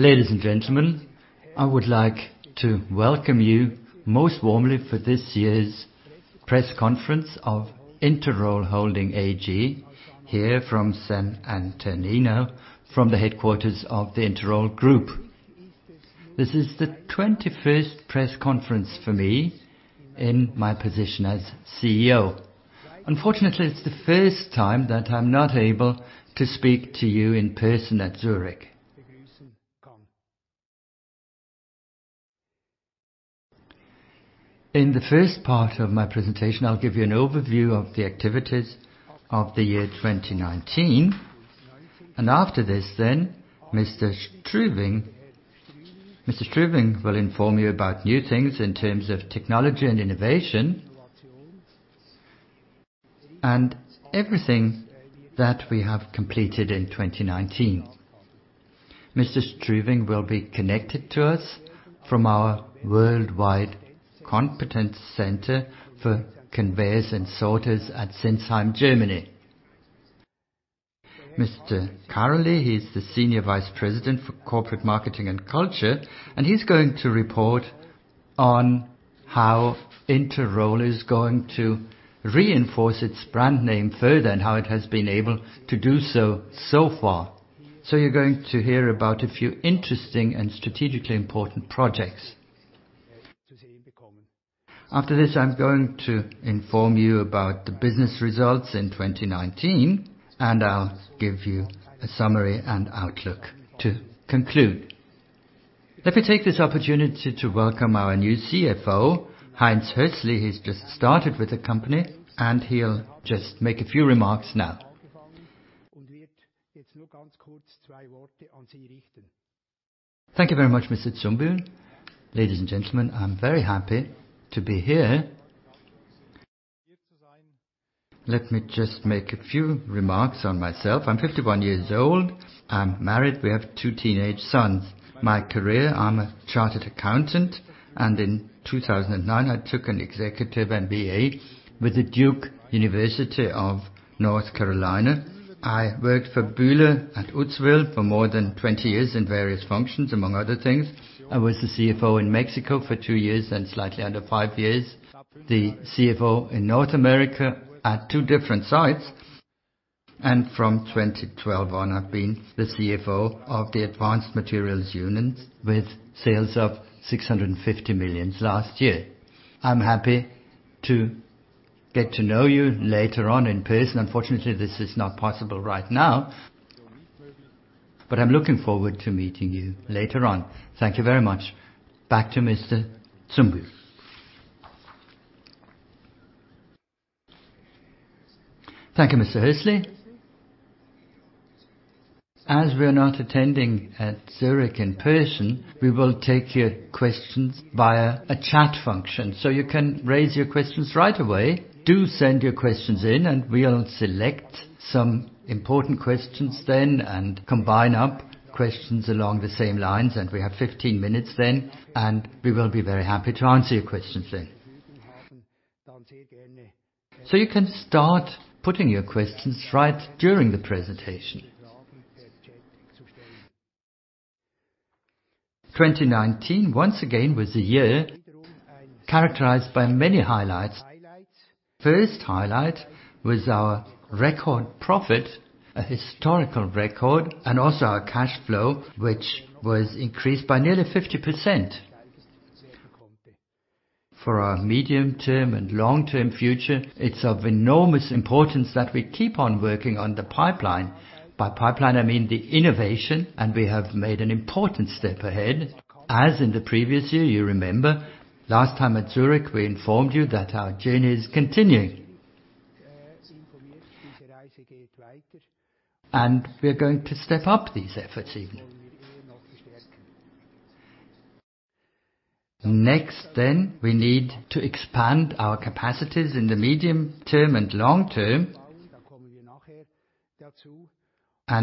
Ladies and gentlemen, I would like to welcome you most warmly for this year's press conference of Interroll Holding AG, here from Sant'Antonino, from the headquarters of the Interroll Group. This is the 21 press conference for me in my position as CEO. Unfortunately, it's the first time that I'm not able to speak to you in person at Zürich. In the first part of my presentation, I'll give you an overview of the activities of the year 2019. After this, Mr. Strüwing will inform you about new things in terms of technology and innovation, and everything that we have completed in 2019. Mr. Strüwing will be connected to us from our worldwide competence center for conveyors and sorters at Sinsheim, Germany. Mr. Karolyi is the Senior Vice President for Corporate Marketing and Culture, and he's going to report on how Interroll is going to reinforce its brand name further and how it has been able to do so far. You're going to hear about a few interesting and strategically important projects. After this, I'm going to inform you about the business results in 2019, and I'll give you a summary and outlook to conclude. Let me take this opportunity to welcome our new CFO, Heinz Hössli. He's just started with the company, and he'll just make a few remarks now. Thank you very much, Mr. Zumbühl. Ladies and gentlemen, I'm very happy to be here. Let me just make a few remarks on myself. I'm 51 years old. I'm married. We have two teenage sons. My career, I'm a chartered accountant, in 2009 I took an executive MBA with the Duke University of North Carolina. I worked for Bühler at Uzwil for more than 20 years in various functions. Among other things, I was the CFO in Mexico for two years and slightly under five years, the CFO in North America at two different sites. From 2012 on, I've been the CFO of the Advanced Materials, with sales of 650 million last year. I'm happy to get to know you later on in person. Unfortunately, this is not possible right now. I'm looking forward to meeting you later on. Thank you very much. Back to Mr. Zumbühl. Thank you, Mr. Hössli. As we're not attending at Zurich in person, we will take your questions via a chat function. You can raise your questions right away. Do send your questions in and we'll select some important questions then and combine up questions along the same lines, and we have 15 minutes then, and we will be very happy to answer your questions then. You can start putting your questions right during the presentation. 2019, once again, was a year characterized by many highlights. First highlight was our record profit, a historical record, and also our cash flow, which was increased by nearly 50%. For our medium-term and long-term future, it's of enormous importance that we keep on working on the pipeline. By pipeline, I mean the innovation, and we have made an important step ahead. As in the previous year, you remember, last time at Zurich, we informed you that our journey is continuing. We're going to step up these. Next, we need to expand our capacities in the medium term and long term.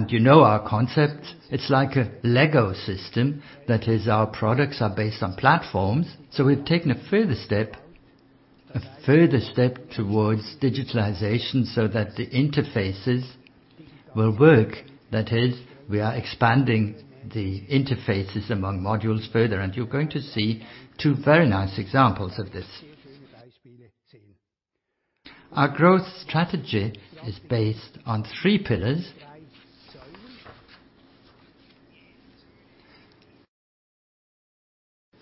You know our concept, it's like a Lego system. Our products are based on platforms. We've taken a further step towards digitalization so that the interfaces will work. We are expanding the interfaces among modules further. You're going to see two very nice examples of this. Our growth strategy is based on three pillars.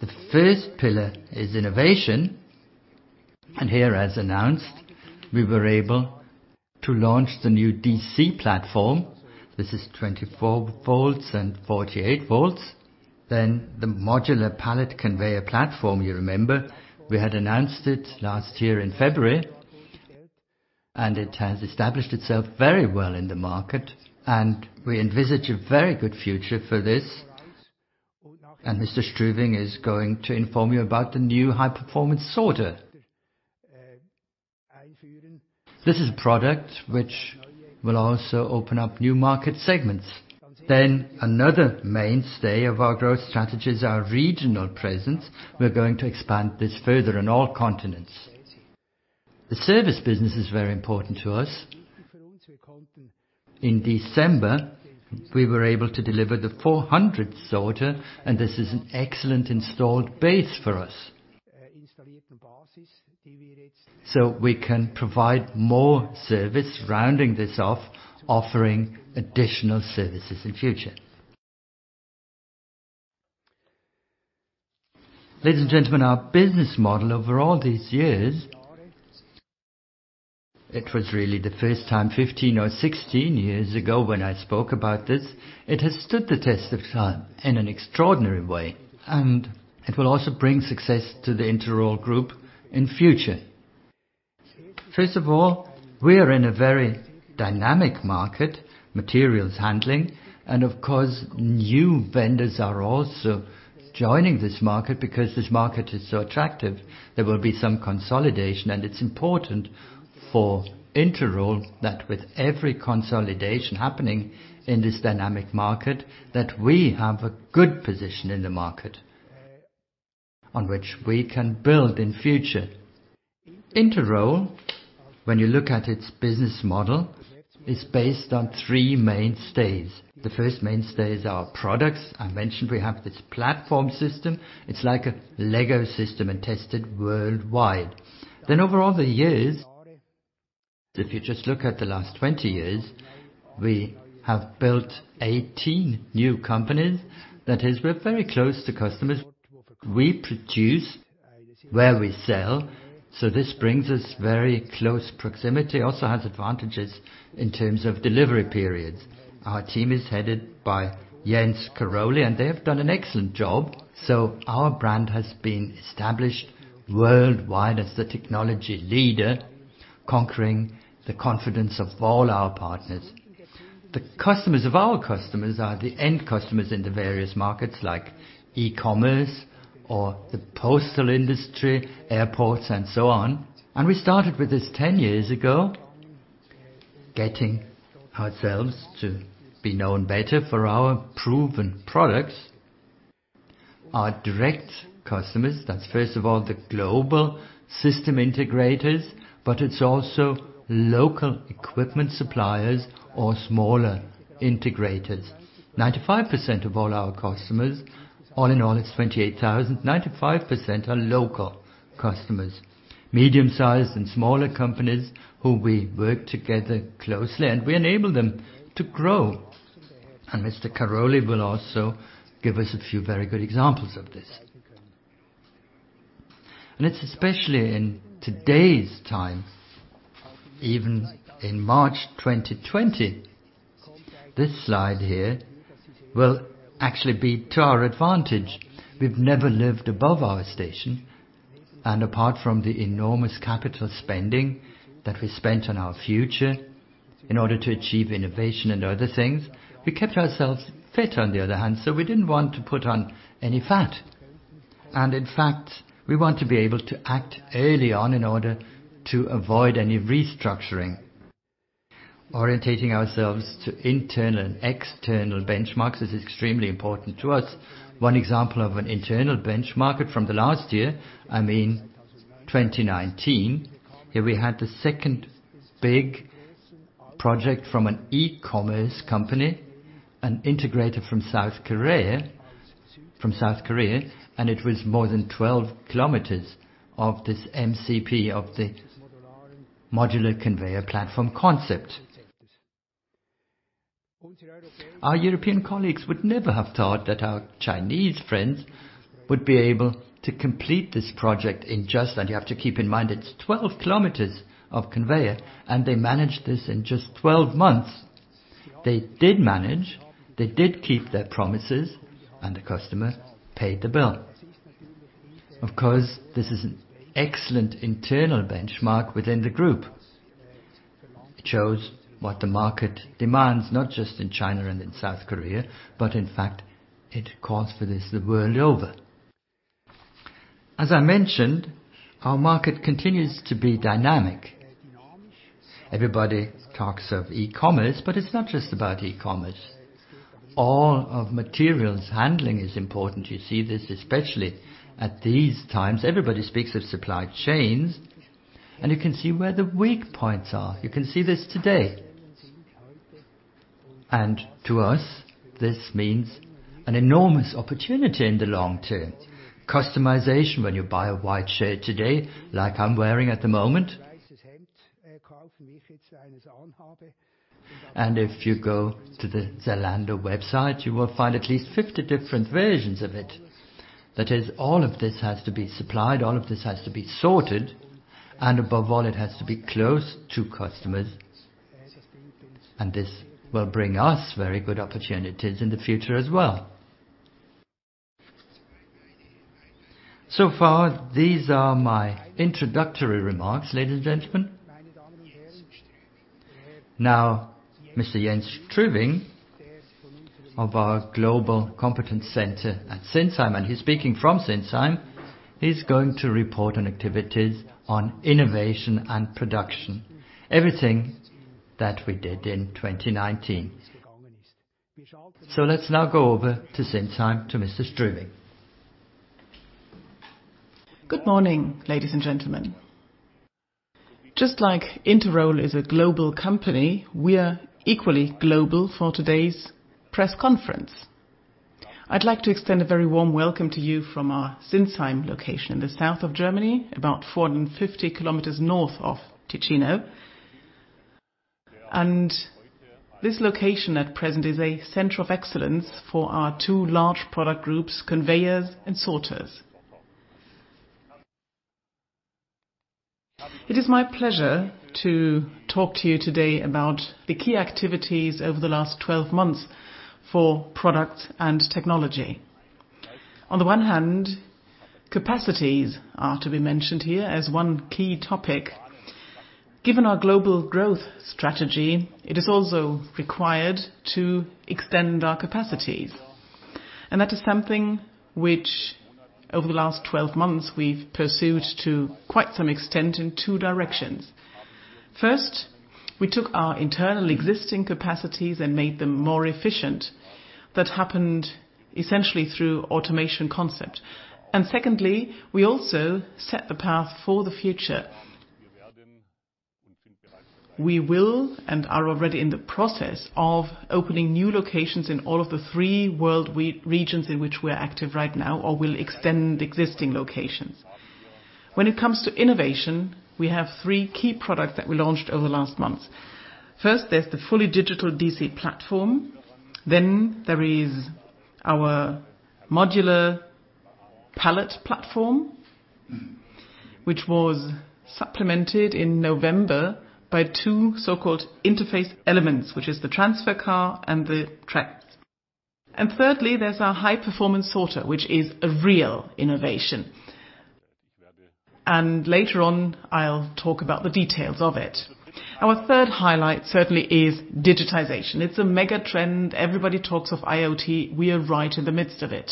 The first pillar is innovation. Here, as announced, we were able to launch the new DC Platform. This is 24 volts and 48 volts. The Modular Pallet Conveyor Platform, you remember. We had announced it last year in February. It has established itself very well in the market. We envisage a very good future for this. Mr. Strüwing is going to inform you about the new High-Performance Sorter. This is a product which will also open up new market segments. Another mainstay of our growth strategy is our regional presence. We're going to expand this further on all continents. The service business is very important to us. In December, we were able to deliver the 400 sorters, and this is an excellent installed base for us. We can provide more service, rounding this off, offering additional services in the future. Ladies and gentlemen, our business model over all these years it was really the first time 15 or 16 years ago, when I spoke about this. It has stood the test of time in an extraordinary way, and it will also bring success to the Interroll Group in future. First of all, we are in a very dynamic market, material handling, and of course, new vendors are also joining this market because this market is so attractive. There will be some consolidation. It's important for Interroll that with every consolidation happening in this dynamic market, that we have a good position in the market on which we can build in future. Interroll, when you look at its business model, is based on three mainstays. The first mainstay is our products. I mentioned we have this platform system. It's like a Lego system and tested worldwide. Over all the years, if you just look at the last 20 years, we have built 18 new companies. That is, we're very close to customers. We produce where we sell. This brings us very close proximity, also has advantages in terms of delivery periods. Our team is headed by Jens Karolyi. They have done an excellent job. Our brand has been established worldwide as the technology leader, conquering the confidence of all our partners. The customers of our customers are the end customers in the various markets like e-commerce or the postal industry, airports, and so on. We started with this 10 years ago, getting ourselves to be known better for our proven products. Our direct customers, that's first of all the global system integrators, but it's also local equipment suppliers or smaller integrators. 95% of all our customers, all in all, it's 28,000. 95% are local customers, medium-sized and smaller companies who we work together closely and we enable them to grow. Mr. Karolyi will also give us a few very good examples of this. It's especially in today's times, even in March 2020, this slide here will actually be to our advantage. We've never lived above our station. Apart from the enormous capital spending that we spent on our future in order to achieve innovation and other things, we kept ourselves fit on the other hand, we didn't want to put on any fat. In fact, we want to be able to act early on in order to avoid any restructuring. Orientating ourselves to internal and external benchmarks is extremely important to us. One example of an internal benchmark from the last year, I mean 2019, here we had the second big project from an e-commerce company, an integrator from South Korea, it was more than 12 km of this MCP, of the Modular Conveyor Platform concept. Our European colleagues would never have thought that our Chinese friends would be able to complete this project in just, and you have to keep in mind, it's 12 km of conveyor, and they managed this in just 12 months. They did manage, they did keep their promises, and the customer paid the bill. Of course, this is an excellent internal benchmark within the group. It shows what the market demands, not just in China and in South Korea, but in fact, it calls for this the world over. As I mentioned, our market continues to be dynamic. Everybody talks of e-commerce, but it's not just about e-commerce. All of materials handling is important. You see this especially at these times. Everybody speaks of supply chains, and you can see where the weak points are. You can see this today. To us, this means an enormous opportunity in the long term. Customization, when you buy a white shirt today, like I'm wearing at the moment, and if you go to the Zalando website, you will find at least 50 different versions of it. That is, all of this has to be supplied, all of this has to be sorted, and above all, it has to be close to customers, and this will bring us very good opportunities in the future as well. So far, these are my introductory remarks, ladies and gentlemen. Now, Mr. Jens Strüwing of our global competence center at Sinsheim, and he's speaking from Sinsheim, is going to report on activities on innovation and production. Everything that we did in 2019. Let's now go over to Sinsheim to Mr. Strüwing. Good morning, ladies and gentlemen. Just like Interroll is a global company, we are equally global for today's press conference. I'd like to extend a very warm welcome to you from our Sinsheim location in the south of Germany, about 450 km north of Ticino. This location at present is a center of excellence for our two large product groups, conveyors and sorters. It is my pleasure to talk to you today about the key activities over the last 12 months for product and technology. On the one hand, capacities are to be mentioned here as one key topic. Given our global growth strategy, it is also required to extend our capacities. That is something which over the last 12 months we've pursued to quite some extent in two directions. First, we took our internal existing capacities and made them more efficient. That happened essentially through automation concept. Secondly, we also set the path for the future. We will and are already in the process of opening new locations in all of the three world regions in which we're active right now or will extend existing locations. When it comes to innovation, we have three key products that we launched over the last months. First, there's the fully digital DC Platform, then there is our Modular Pallet Platform, which was supplemented in November by two so-called interface elements, which is the Transfer Car and the tracks. Thirdly, there's our High-Performance Sorter, which is a real innovation. Later on, I'll talk about the details of it. Our third highlight certainly is digitization. It's a mega trend. Everybody talks of IoT. We are right in the midst of it.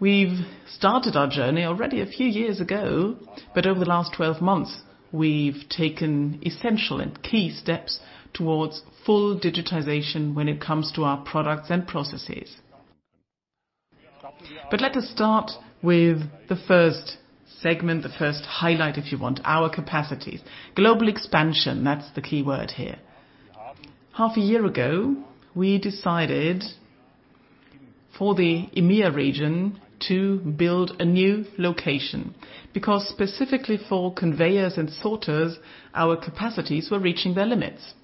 We've started our journey already a few years ago, but over the last 12 months, we've taken essential and key steps towards full digitization when it comes to our products and processes. Let us start with the first segment, the first highlight if you want, our capacities. Global expansion, that's the keyword here. Half a year ago, we decided for the EMEA region to build a new location because specifically for conveyors and sorters, our capacities were reaching their limits.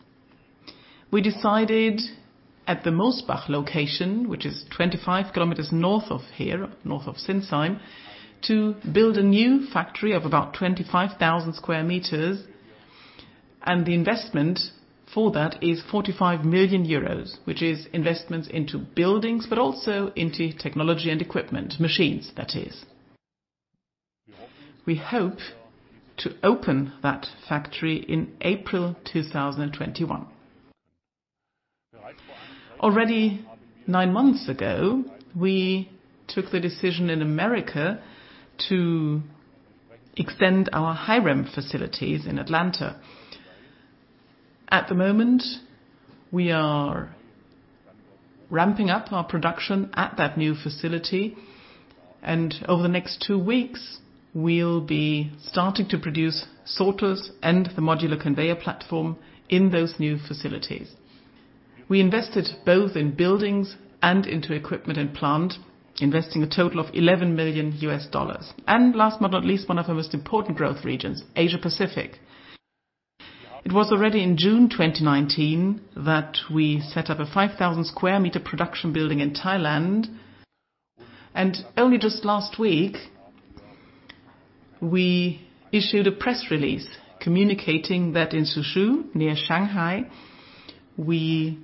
We decided at the Mosbach location, which is 25 km north of here, north of Sinsheim, to build a new factory of about 25,000 square meters, and the investment for that is 45 million euros, which is investments into buildings, but also into technology and equipment, machines, that is. We hope to open that factory in April 2021. Already nine months ago, we took the decision in America to extend our Hiram facilities in Atlanta. At the moment, we are ramping up our production at that new facility, and over the next two weeks, we'll be starting to produce sorters and the Modular Conveyor Platform in those new facilities. We invested both in buildings and into equipment and plant, investing a total of $11 million. Last but not least, one of our most important growth regions, Asia-Pacific. It was already in June 2019 that we set up a 5,000 square meters production building in Thailand, and only just last week we issued a press release communicating that in Suzhou, near Shanghai, we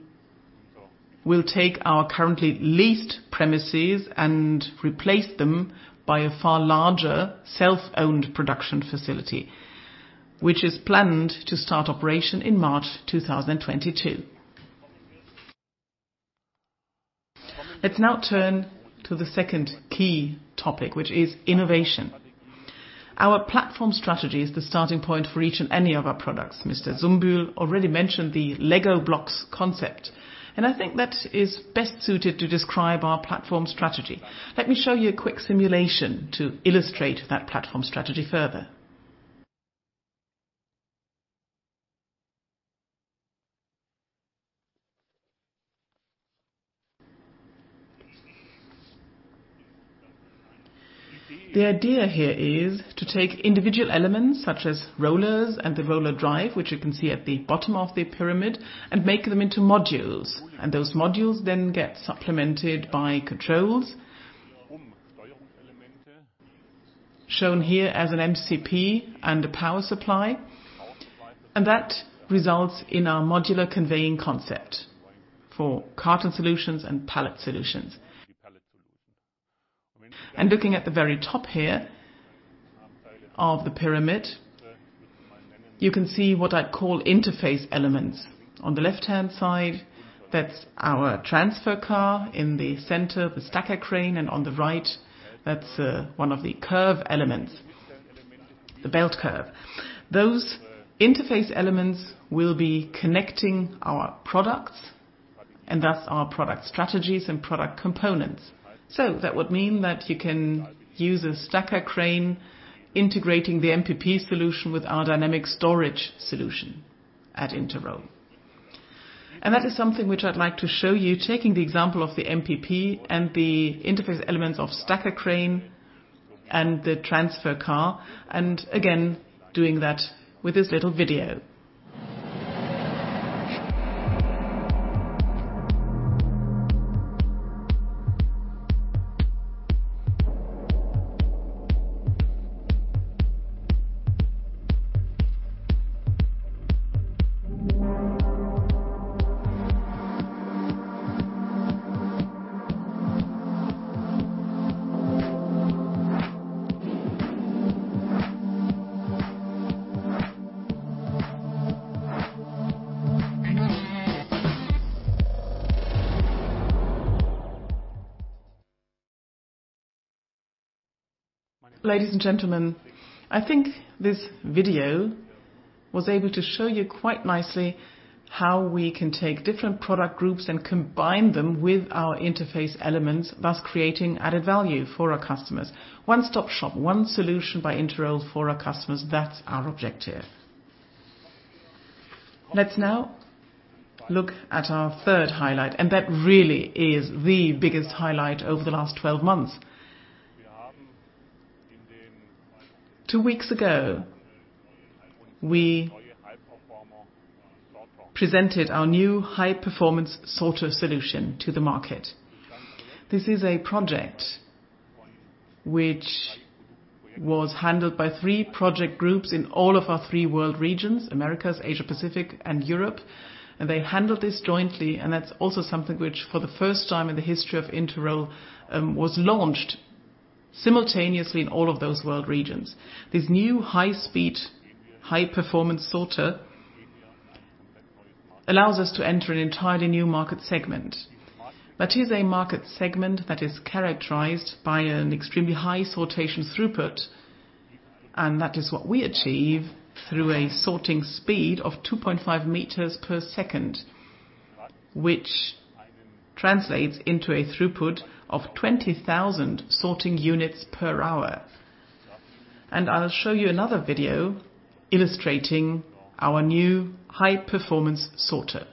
will take our currently leased premises and replace them by a far larger self-owned production facility, which is planned to start operation in March 2022. Let's now turn to the second key topic, which is innovation. Our platform strategy is the starting point for each and any of our products. Mr. Zumbühl already mentioned the Lego blocks concept. I think that is best suited to describe our platform strategy. Let me show you a quick simulation to illustrate that platform strategy further. The idea here is to take individual elements such as rollers and the RollerDrive, which you can see at the bottom of the pyramid, and make them into modules. Those modules then get supplemented by controls shown here as an MCP and a power supply, and that results in our modular conveying concept for carton solutions and pallet solutions. Looking at the very top here of the pyramid, you can see what I'd call interface elements. On the left-hand side, that's our Transfer Car. In the center, the Stacker Crane, and on the right, that's one of the curve elements. The Belt Curve. Those interface elements will be connecting our products, and thus our product strategies and product components. That would mean that you can use a Stacker Crane, integrating the MPP solution with our dynamic storage solution at Interroll. That is something which I'd like to show you, taking the example of the MPP and the interface elements of Stacker Crane and the Transfer Car, and again, doing that with this little video. Ladies and gentlemen, I think this video was able to show you quite nicely how we can take different product groups and combine them with our interface elements, thus creating added value for our customers. One-stop shop, one solution by Interroll for our customers, that's our objective. Let's now look at our third highlight, and that really is the biggest highlight over the last 12 months. Two weeks ago, we presented our new high-performance sorter solution to the market. This is a project which was handled by three project groups in all of our three world regions, Americas, Asia-Pacific, and Europe. They handled this jointly, and that's also something which, for the first time in the history of Interroll, was launched simultaneously in all of those world regions. This new high-speed, high-performance sorter allows us to enter an entirely new market segment. That is a market segment that is characterized by an extremely high sortation throughput, and that is what we achieve through a sorting speed of 2.5 meters per second, which translates into a throughput of 20,000 sorting units per hour. I'll show you another video illustrating our new high-performance sorter.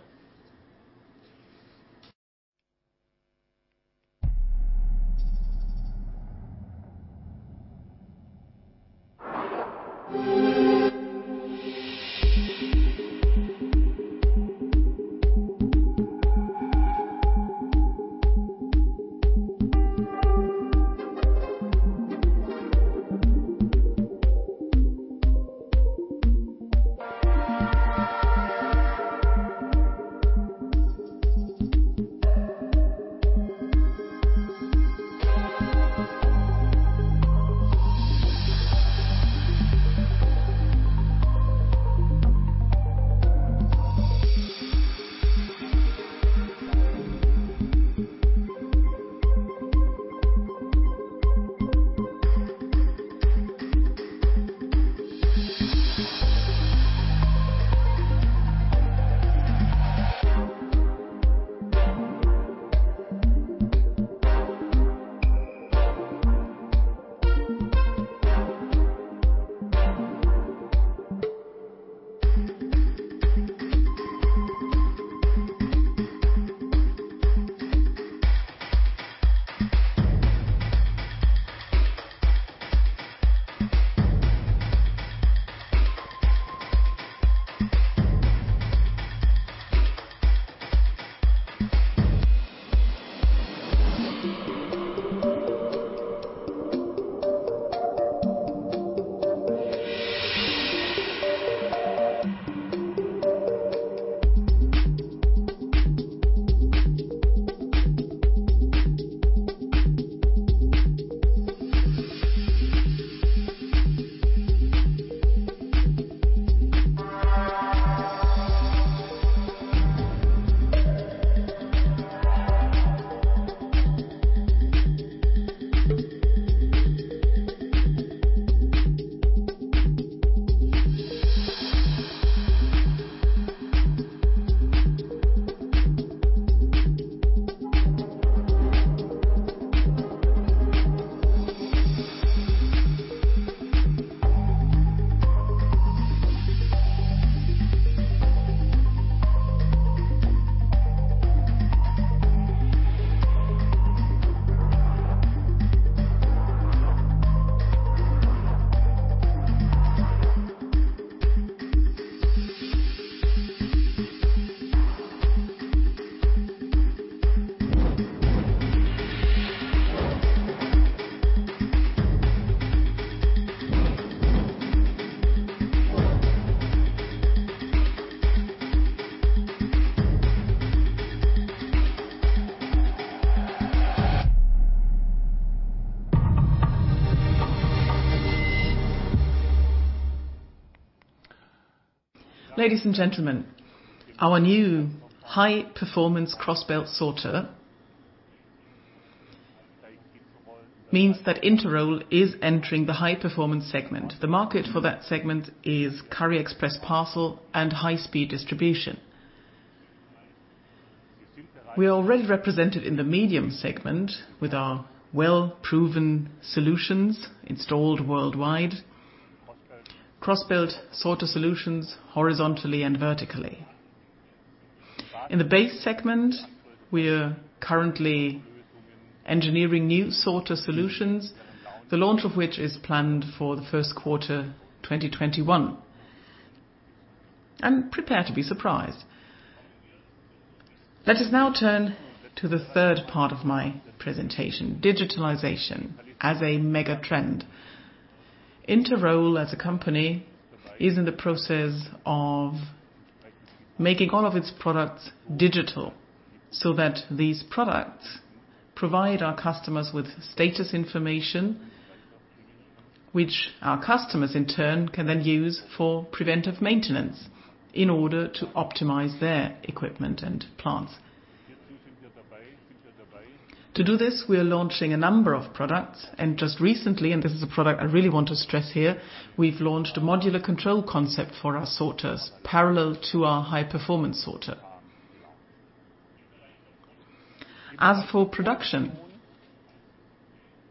Ladies and gentlemen, our new High-Performance Crossbelt Sorter means that Interroll is entering the high-performance segment. The market for that segment is Courier Express Parcel and high-speed distribution. We are already represented in the medium segment with our well-proven solutions installed worldwide. Crossbelt Sorter solutions horizontally and vertically. In the base segment, we're currently engineering new sorter solutions, the launch of which is planned for the first quarter 2021. Prepare to be surprised. Let us now turn to the third part of my presentation, digitalization as a mega-trend. Interroll as a company is in the process of making all of its products digital, so that these products provide our customers with status information, which our customers, in turn, can then use for preventive maintenance in order to optimize their equipment and plants. To do this, we are launching a number of products, and just recently, and this is a product I really want to stress here, we've launched a modular control concept for our sorters, parallel to our high-performance sorter. As for production,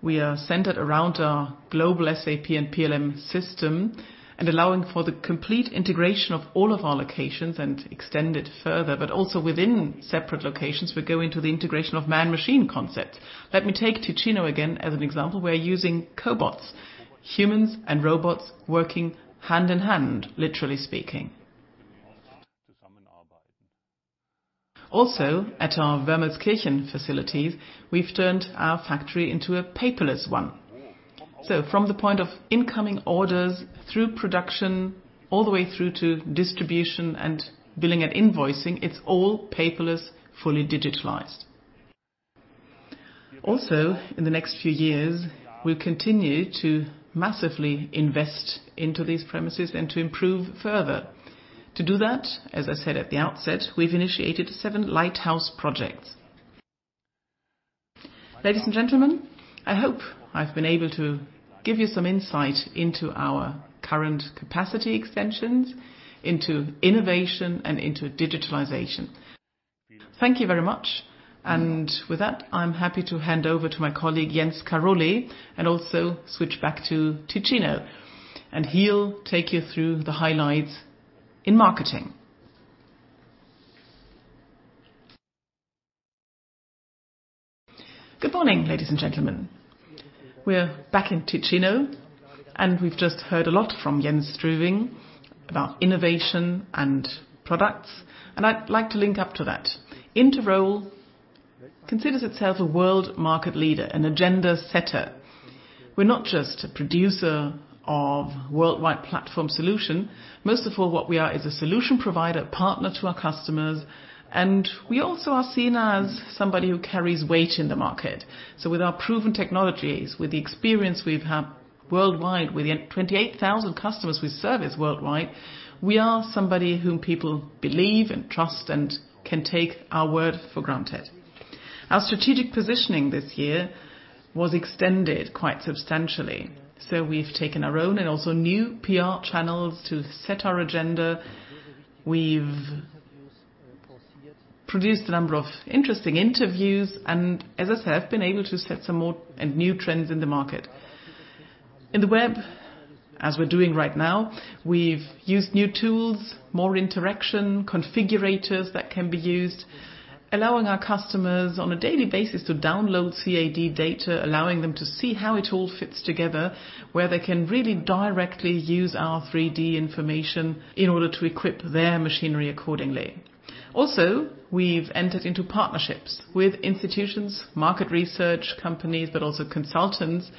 we are centered around our global SAP and PLM system and allowing for the complete integration of all of our locations and extend it further. Also, within separate locations, we go into the integration of man-machine concepts. Let me take Ticino again as an example. We're using cobots, humans, and robots working hand-in-hand, literally speaking. Also, at our Wermelskirchen facilities, we've turned our factory into a paperless one. From the point of incoming orders through production, all the way through to distribution and billing and invoicing, it's all paperless, fully digitalized. In the next few years, we'll continue to massively invest into these premises and to improve further. To do that, as I said at the outset, we've initiated seven lighthouse projects. Ladies and gentlemen, I hope I've been able to give you some insight into our current capacity extensions, into innovation, and into digitalization. Thank you very much. With that, I'm happy to hand over to my colleague, Jens Karolyi, and also switch back to Ticino, and he'll take you through the highlights in marketing. Good morning, ladies and gentlemen. We're back in Ticino, and we've just heard a lot from Jens Strüwing about innovation and products, and I'd like to link up to that. Interroll considers itself a world market leader, an agenda setter. We're not just a producer of a worldwide platform solution. Most of all, what we are is a solution provider, partner to our customers, and we also are seen as somebody who carries weight in the market. With our proven technologies, with the experience we've had worldwide, with the 28,000 customers we service worldwide, we are somebody whom people believe and trust and can take our word for granted. Our strategic positioning this year was extended quite substantially. We've taken our own and also new PR channels to set our agenda. We've produced a number of interesting interviews, and as I said, been able to set some more and new trends in the market. In the web, as we're doing right now, we've used new tools, more interaction, configurators that can be used, allowing our customers on a daily basis to download CAD data, allowing them to see how it all fits together, where they can really directly use our 3D information in order to equip their machinery accordingly. Also, we've entered into partnerships with institutions, market research companies, but also consultants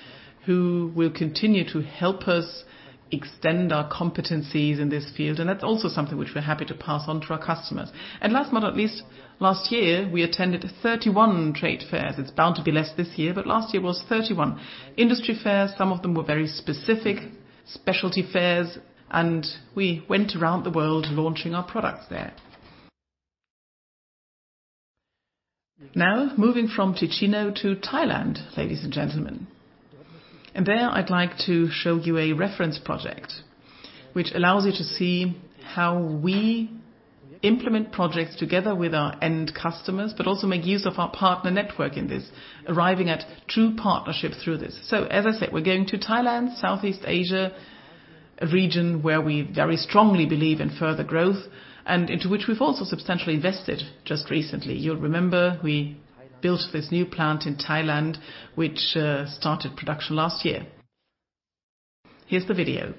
who will continue to help us extend our competencies in this field. That's also something which we're happy to pass on to our customers. Last but not least, last year, we attended 31 trade fairs. It's bound to be less this year, but last year was 31 industry fairs. Some of them were very specific specialty fairs, and we went around the world launching our products there. Moving from Ticino to Thailand, ladies and gentlemen. There, I'd like to show you a reference project which allows you to see how we implement projects together with our end customers, but also make use of our partner network in this, arriving at true partnerships through this. As I said, we're going to Thailand, Southeast Asia, a region where we very strongly believe in further growth and into which we've also substantially invested just recently. You'll remember we built this new plant in Thailand, which started production last year. Here's the video.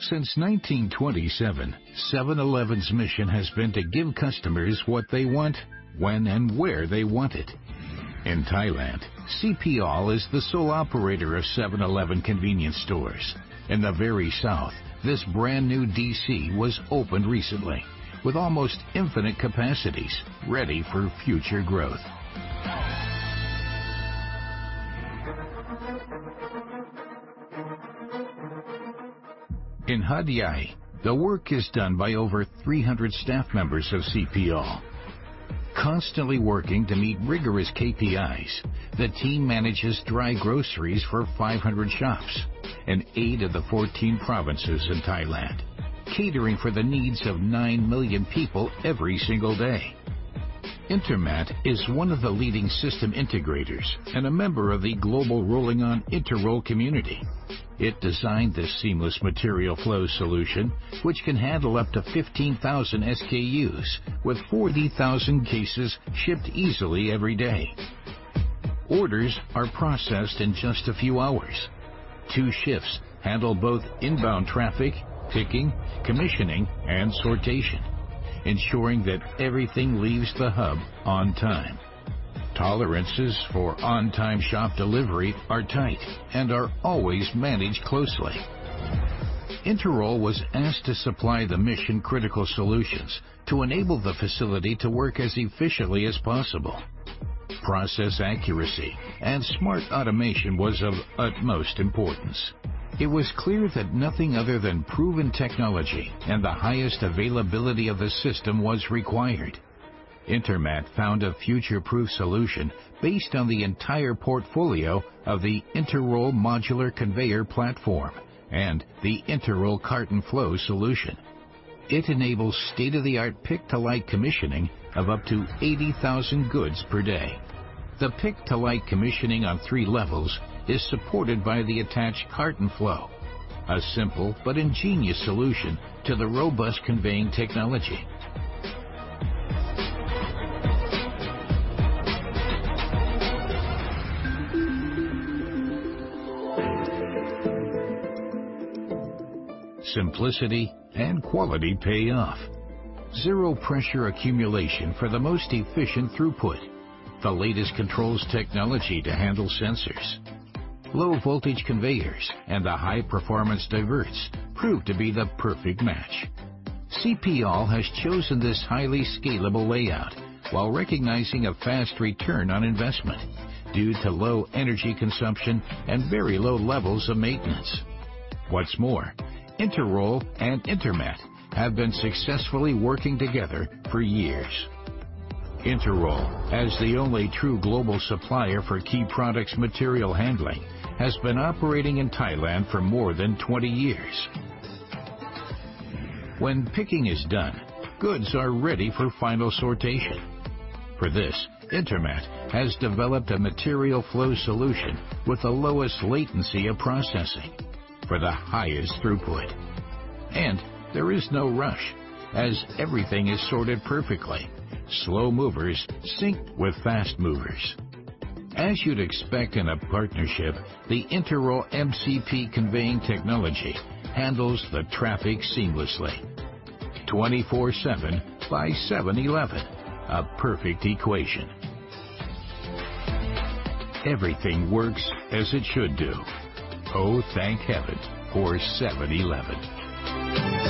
Since 1927, 7-Eleven's mission has been to give customers what they want, when and where they want it. In Thailand, CP ALL is the sole operator of 7-Eleven convenience stores. In the very south, this brand-new DC was opened recently with almost infinite capacities ready for future growth. In Hat Yai, the work is done by over 300 staff members of CP ALL. Constantly working to meet rigorous KPIs, the team manages dry groceries for 500 shops in eight of the 14 provinces in Thailand, catering for the needs of nine million people every single day. Intermat is one of the leading system integrators and a member of the global Rolling on Interroll community. It designed this seamless material flow solution, which can handle up to 15,000 SKUs with 40,000 cases shipped easily every day. Orders are processed in just a few hours. Two shifts handle both inbound traffic, picking, commissioning, and sortation, ensuring that everything leaves the hub on time. Tolerances for on-time shop delivery are tight and are always managed closely. Interroll was asked to supply the mission-critical solutions to enable the facility to work as efficiently as possible. Process accuracy and smart automation was of utmost importance. It was clear that nothing other than proven technology and the highest availability of the system was required. Intermat found a future-proof solution based on the entire portfolio of the Interroll Modular Conveyor Platform and the Interroll Carton Flow solution. It enables state-of-the-art pick-to-light commissioning of up to 80,000 goods per day. The pick-to-light commissioning on three levels is supported by the attached carton flow, a simple but ingenious solution to the robust conveying technology. Simplicity and quality pay off. Zero pressure accumulation for the most efficient throughput. The latest control technology to handle sensors. Low-voltage conveyors and the high-performance diverts prove to be the perfect match. CP ALL has chosen this highly scalable layout while recognizing a fast return on investment due to low energy consumption and very low levels of maintenance. What's more, Interroll and Intermat have been successfully working together for years. Interroll, as the only true global supplier for key products material handling, has been operating in Thailand for more than 20 years. When picking is done, goods are ready for final sortation. For this, Intermat has developed a material flow solution with the lowest latency of processing for the highest throughput. There is no rush, as everything is sorted perfectly. Slow movers synced with fast movers. As you'd expect in a partnership, the Interroll MCP conveying technology handles the traffic seamlessly 24/7 by 7-Eleven, a perfect equation. Everything works as it should do. Oh, thank heaven for 7-Eleven.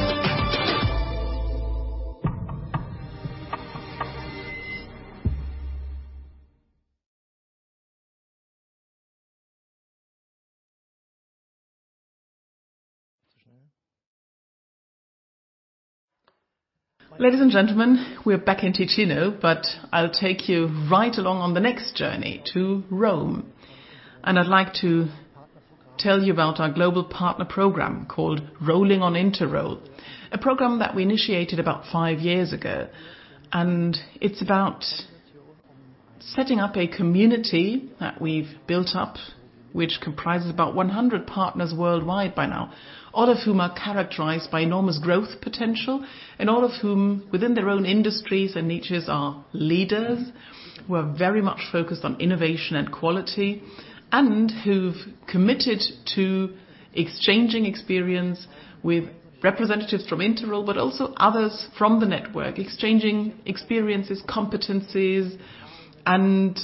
Ladies and gentlemen, we're back in Ticino. I'll take you right along on the next journey to Rome. I'd like to tell you about our global partner program called Rolling on Interroll, a program that we initiated about five years ago, and it's about setting up a community that we've built up, which comprises about 100 partners worldwide by now, all of whom are characterized by enormous growth potential, and all of whom within their own industries and niches are leaders who are very much focused on innovation and quality and who've committed to exchanging experience with representatives from Interroll, but also others from the network, exchanging experiences, competencies, and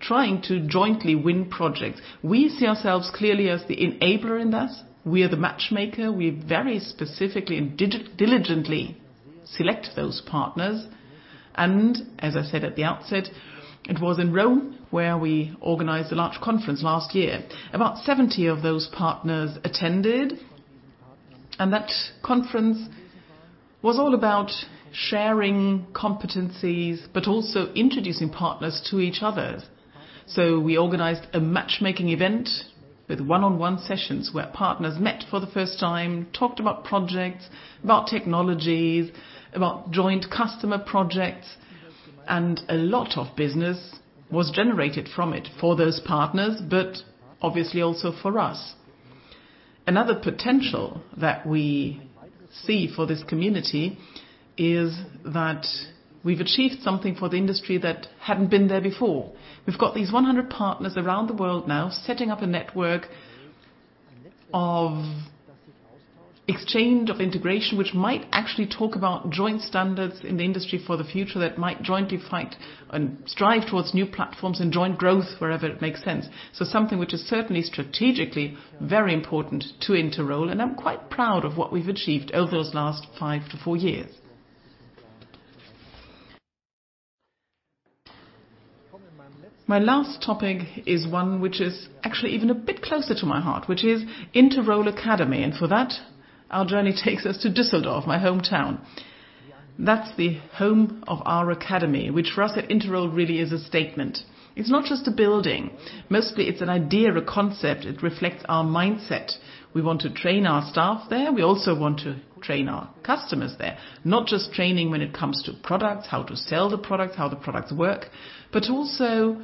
trying to jointly win projects. We see ourselves clearly as the enabler in this. We are the matchmaker. We very specifically and diligently select those partners. As I said at the outset, it was in Rome where we organized a large conference last year. About 70 of those partners attended, and that conference was all about sharing competencies, but also introducing partners to each other. We organized a matchmaking event with one-on-one sessions where partners met for the first time, talked about projects, about technologies, about joint customer projects, and a lot of business was generated from it for those partners, but obviously also for us. Another potential that we see for this community is that we've achieved something for the industry that hadn't been there before. We've got these 100 partners around the world now setting up a network of exchange, of integration, which might actually talk about joint standards in the industry for the future that might jointly fight and strive towards new platforms and joint growth wherever it makes sense. Something which is certainly strategically very important to Interroll, and I'm quite proud of what we've achieved over those last five to four years. My last topic is one which is actually even a bit closer to my heart, which is Interroll Academy. For that, our journey takes us to Düsseldorf, my hometown. That's the home of our academy, which for us at Interroll really is a statement. It's not just a building. Mostly it's an idea, a concept. It reflects our mindset. We want to train our staff there. We also want to train our customers there. Not just training when it comes to products, how to sell the products, how the products work, but also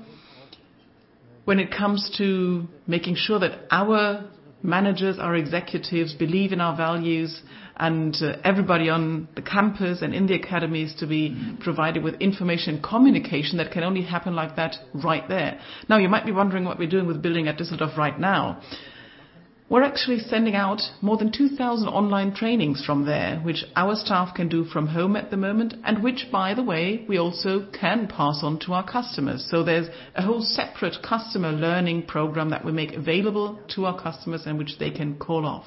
when it comes to making sure that our managers, our executives, believe in our values, and everybody on the campus and in the academies to be provided with information communication that can only happen like that right there. You might be wondering what we're doing with building at Düsseldorf right now. We're actually sending out more than 2,000 online trainings from there, which our staff can do from home at the moment, and which, by the way, we also can pass on to our customers. There's a whole separate customer learning program that we make available to our customers and which they can call off.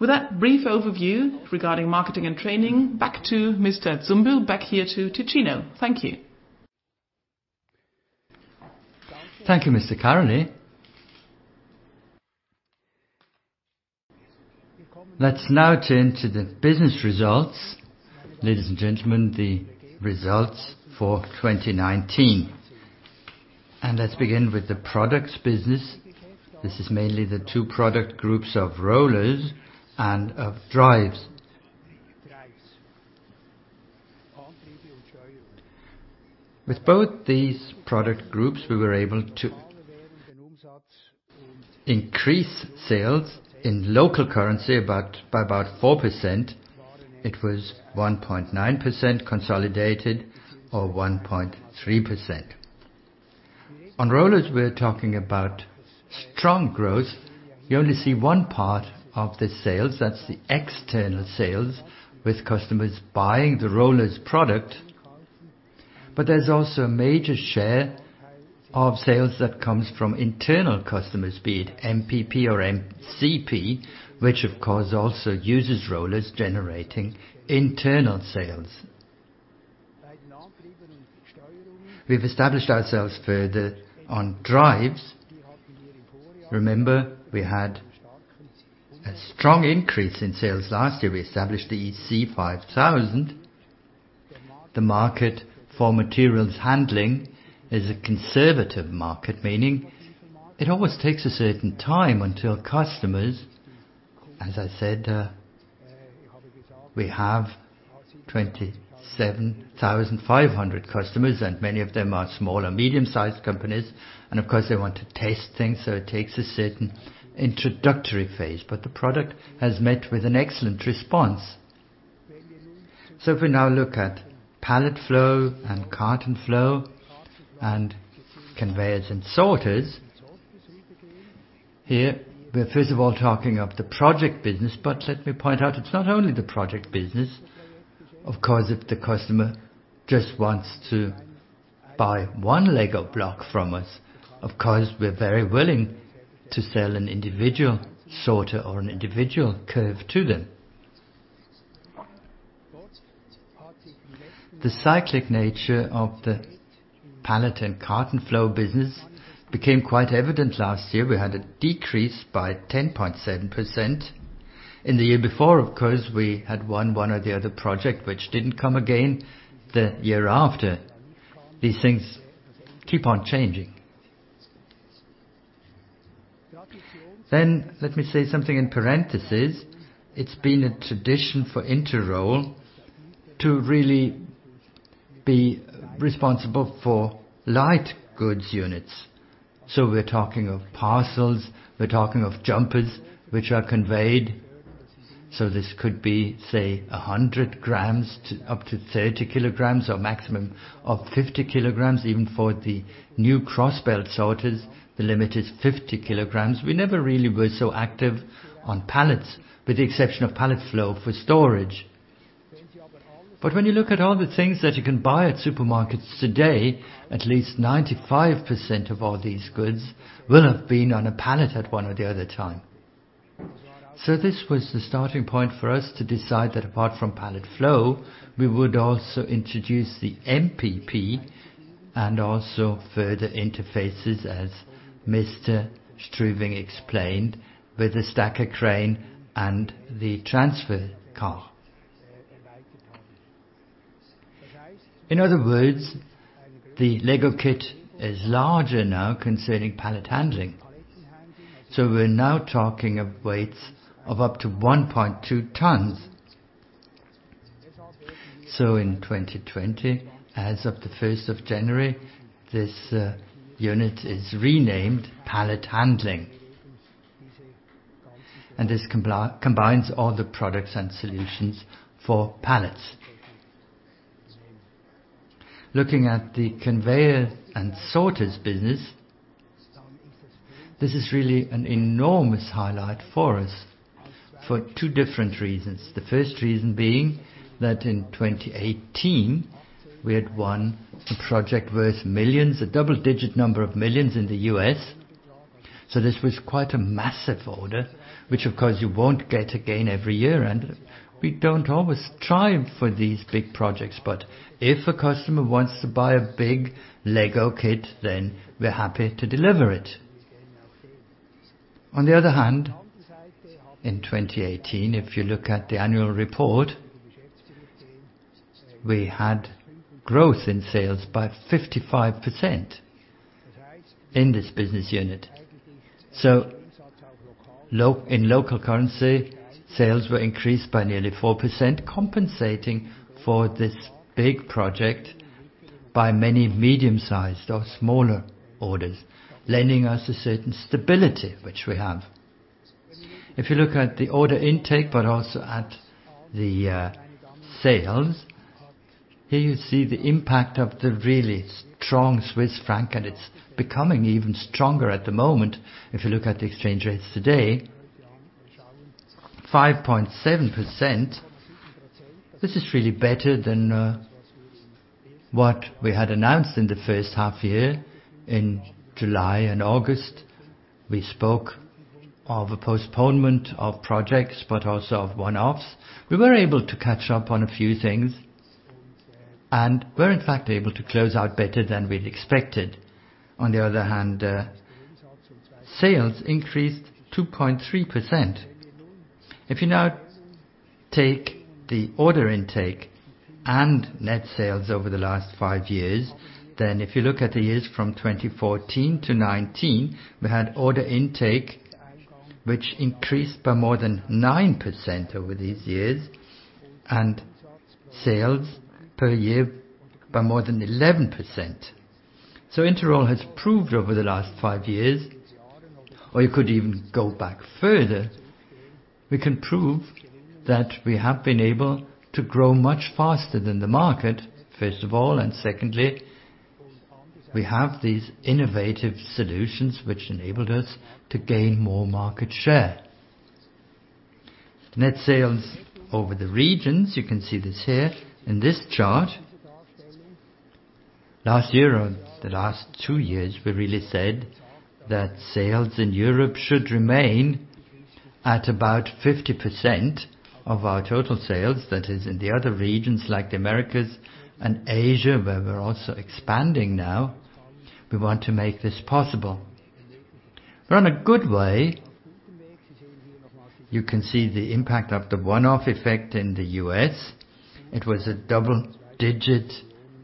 With that brief overview regarding marketing and training, back to Mr. Zumbühl, back here to Ticino. Thank you. Thank you, Mr. Karolyi. Let's now turn to the business results. Ladies and gentlemen, the results for 2019. Let's begin with the products business. This is mainly the two product groups of rollers and of drives. With both these product groups, we were able to increase sales in local currency by about 4%. It was 1.9% consolidated or 1.3%. On rollers, we're talking about strong growth. You only see one part of the sales. That's the external sales with customers buying the rollers product. There's also a major share of sales that comes from internal customers, be it MPP or MCP, which, of course, also uses rollers generating internal sales. We've established ourselves further on drives. Remember, we had a strong increase in sales last year. We established the EC5000. The market for materials handling is a conservative market, meaning it always takes a certain time until customers, as I said, we have 27,500 customers, and many of them are small or medium-sized companies. Of course, they want to test things, it takes a certain introductory phase. The product has met with an excellent response. If we now look at pallet flow and carton flow and conveyors and sorters, here we're first of all talking of the project business. Let me point out, it's not only the project business. Of course, if the customer just wants to buy one Lego block from us, of course, we're very willing to sell an individual sorter or an individual Belt Curve to them. The cyclic nature of the pallet and carton flow business became quite evident last year. We had a decrease by 10.7%. In the year before, of course, we had won one or the other project, which didn't come again the year after. These things keep on changing. Let me say something in parentheses. It's been a tradition for Interroll to really be responsible for light goods units. We're talking of parcels, we're talking of jumpers which are conveyed. This could be, say, 100 grams up to 30 kg or maximum of 50 kg. Even for the new Crossbelt Sorter, the limit is 50 kg. We never really were so active on pallets, with the exception of pallet flow for storage. When you look at all the things that you can buy at supermarkets today, at least 95% of all these goods will have been on a pallet at one or the other time. This was the starting point for us to decide that apart from pallet flow, we would also introduce the MPP and also further interfaces, as Mr. Strüwing explained, with the Stacker Crane and the Transfer Car. In other words, the Lego kit is larger now concerning pallet handling. We're now talking of weights of up to 1.2 tons. In 2020, as of the January 1, this unit is renamed pallet handling, and this combines all the products and solutions for pallets. Looking at the conveyor and sorters business, this is really an enormous highlight for us for two different reasons. The first reason being that in 2018, we had won a project worth millions, a double-digit number of millions in the U.S. This was quite a massive order, which of course you won't get again every year, and we don't always try for these big projects. If a customer wants to buy a big Lego kit, then we're happy to deliver it. On the other hand, in 2018, if you look at the annual report, we had growth in sales by 55% in this business unit. In local currency, sales were increased by nearly 4%, compensating for this big project by many medium-sized or smaller orders, lending us a certain stability, which we have. If you look at the order intake, but also at the sales, here you see the impact of the really strong Swiss franc, and it's becoming even stronger at the moment. If you look at the exchange rates today, 5.7%. This is really better than what we had announced in the first half year. In July and August, we spoke of a postponement of projects, also of one-offs. We were able to catch up on a few things and were in fact able to close out better than we'd expected. On the other hand, sales increased 2.3%. If you now take the order intake and net sales over the last five years, if you look at the years from 2014 to 2019, we had order intake which increased by more than 9% over these years, and sales per year by more than 11%. Interroll has proved over the last five years, or you could even go back further, we can prove that we have been able to grow much faster than the market, first of all, and secondly, we have these innovative solutions which enabled us to gain more market share. Net sales over the regions, you can see this here in this chart. Last year, or the last two years, we really said that sales in Europe should remain at about 50% of our total sales. In the other regions like the Americas and Asia, where we're also expanding now, we want to make this possible. We're on a good way. You can see the impact of the one-off effect in the U.S. It was a CHF double-digit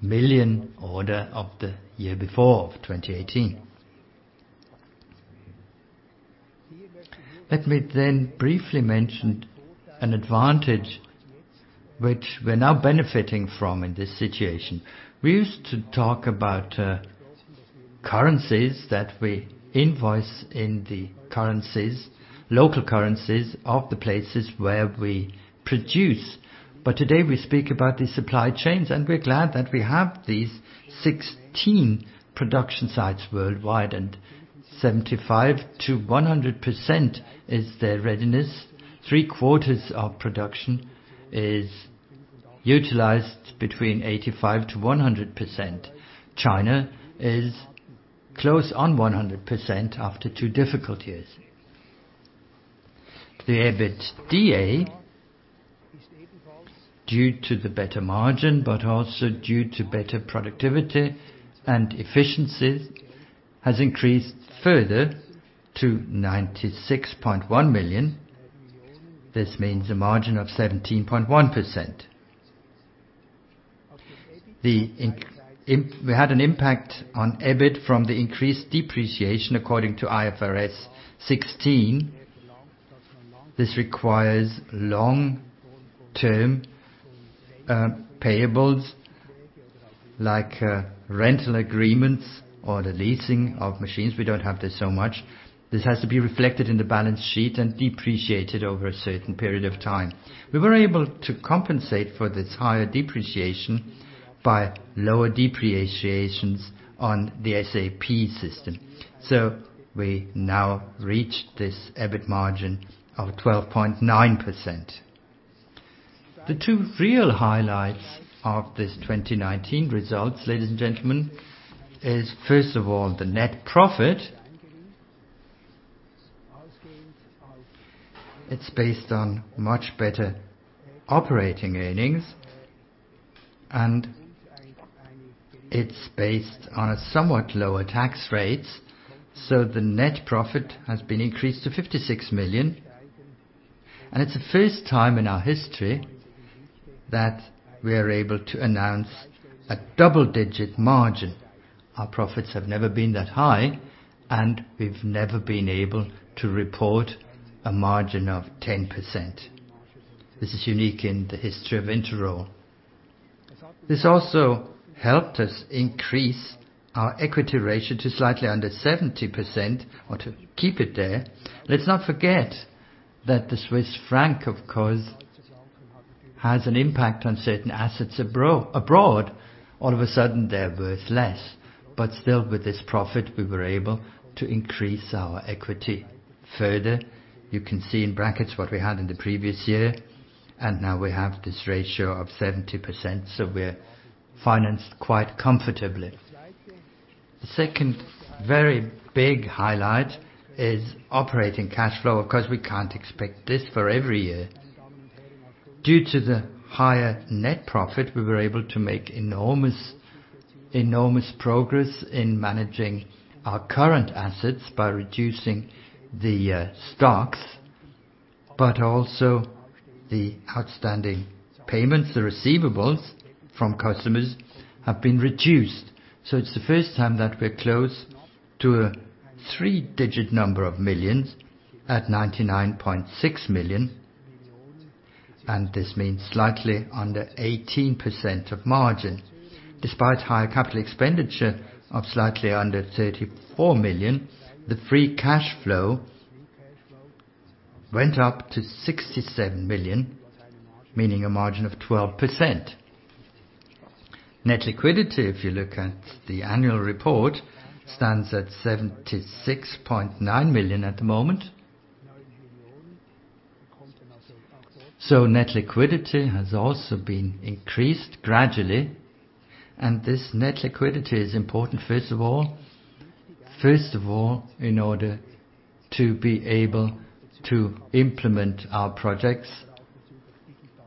million order of the year before, of 2018. Let me briefly mention an advantage which we're now benefiting from in this situation. We used to talk about currencies that we invoice in the local currencies of the places where we produce. Today we speak about the supply chains, and we're glad that we have these 16 production sites worldwide, and 75%-100% is their readiness. Three-quarters of production is utilized between 85%-100%. China is close on 100% after two difficult years. The EBITDA, due to the better margin, also due to better productivity and efficiency, has increased further to 96.1 million. This means a margin of 17.1%. We had an impact on EBIT from the increased depreciation according to IFRS 16. This requires long-term payables like rental agreements or the leasing of machines. We don't have this so much. This has to be reflected in the balance sheet and depreciated over a certain period of time. We were able to compensate for this higher depreciation by lower depreciation on the SAP system. We now reach this EBIT margin of 12.9%. The two real highlights of this 2019 results, ladies and gentlemen, is first of all the net profit. It's based on much better operating earnings. It's based on somewhat lower tax rates. The net profit has been increased to 56 million. It's the first time in our history that we are able to announce a double-digit margin. Our profits have never been that high. We've never been able to report a margin of 10%. This is unique in the history of Interroll. This also helped us increase our equity ratio to slightly under 70%, or to keep it there. Let's not forget that the Swiss franc, of course, has an impact on certain assets abroad. All of a sudden, they're worth less. But still with this profit, we were able to increase our equity further. You can see in brackets what we had in the previous year. Now we have this ratio of 70%. We are financed quite comfortably. The second very big highlight is operating cash flow. Of course, we can't expect this for every year. Due to the higher net profit, we were able to make enormous progress in managing our current assets by reducing the stocks, but also the outstanding payments, the receivables from customers have been reduced. It's the first time that we're close to a three-digit number of millions at 99.6 million, and this means slightly under 18% of margin. Despite higher capital expenditure of slightly under 34 million, the free cash flow went up to 67 million, meaning a margin of 12%. Net liquidity, if you look at the annual report, stands at 76.9 million at the moment. Net liquidity has also been increased gradually, and this net liquidity is important, first of all, in order to be able to implement our projects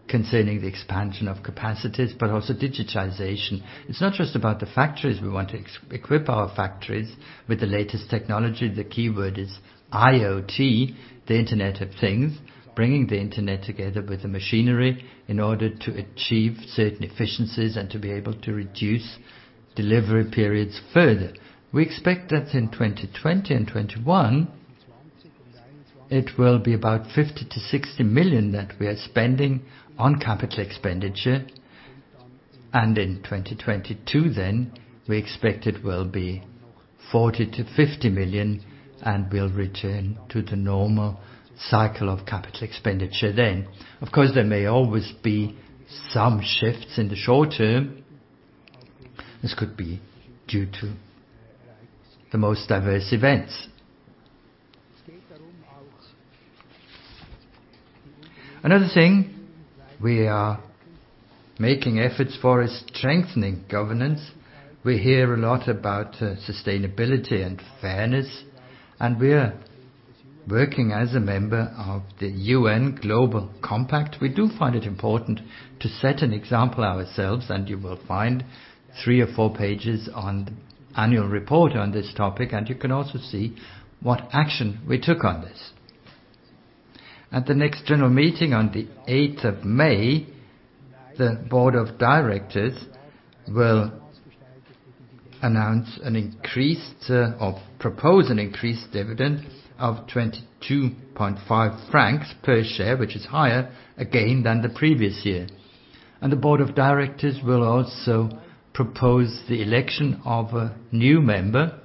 concerning the expansion of capacities, but also digitization. It's not just about the factories. We want to equip our factories with the latest technology. The keyword is IoT, the Internet of Things, bringing the internet together with the machinery in order to achieve certain efficiencies and to be able to reduce delivery periods further. We expect that in 2020 and 2021, it will be about 50 million-60 million that we are spending on capital expenditure, and in 2022 then, we expect it will be 40 million-50 million, and we'll return to the normal cycle of capital expenditure then. Of course, there may always be some shifts in the short term. This could be due to the most diverse events. Another thing we are making efforts for is strengthening governance. We hear a lot about sustainability and fairness, and we are working as a member of the UN Global Compact. We do find it important to set an example ourselves. You will find three or four pages on annual report on this topic. You can also see what action we took on this. At the next general meeting on May 8, the Board of Directors will announce an increase or propose an increased dividend of 22.5 francs per share, which is higher again than the previous year. The Board of Directors will also propose the election of a new member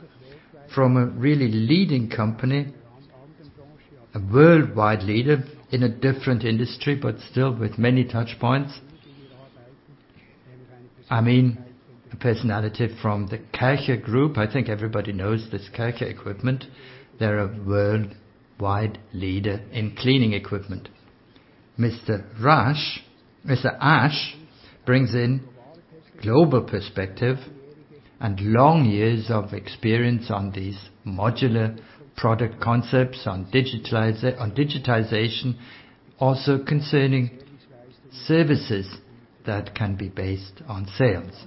from a really leading company, a worldwide leader in a different industry, but still with many touch points. I mean, a personality from the Kärcher Group. I think everybody knows this Kärcher equipment. They're a worldwide leader in cleaning equipment. Mr. Asch brings in global perspective and long years of experience on these modular product concepts on digitization, also concerning services that can be based on sales.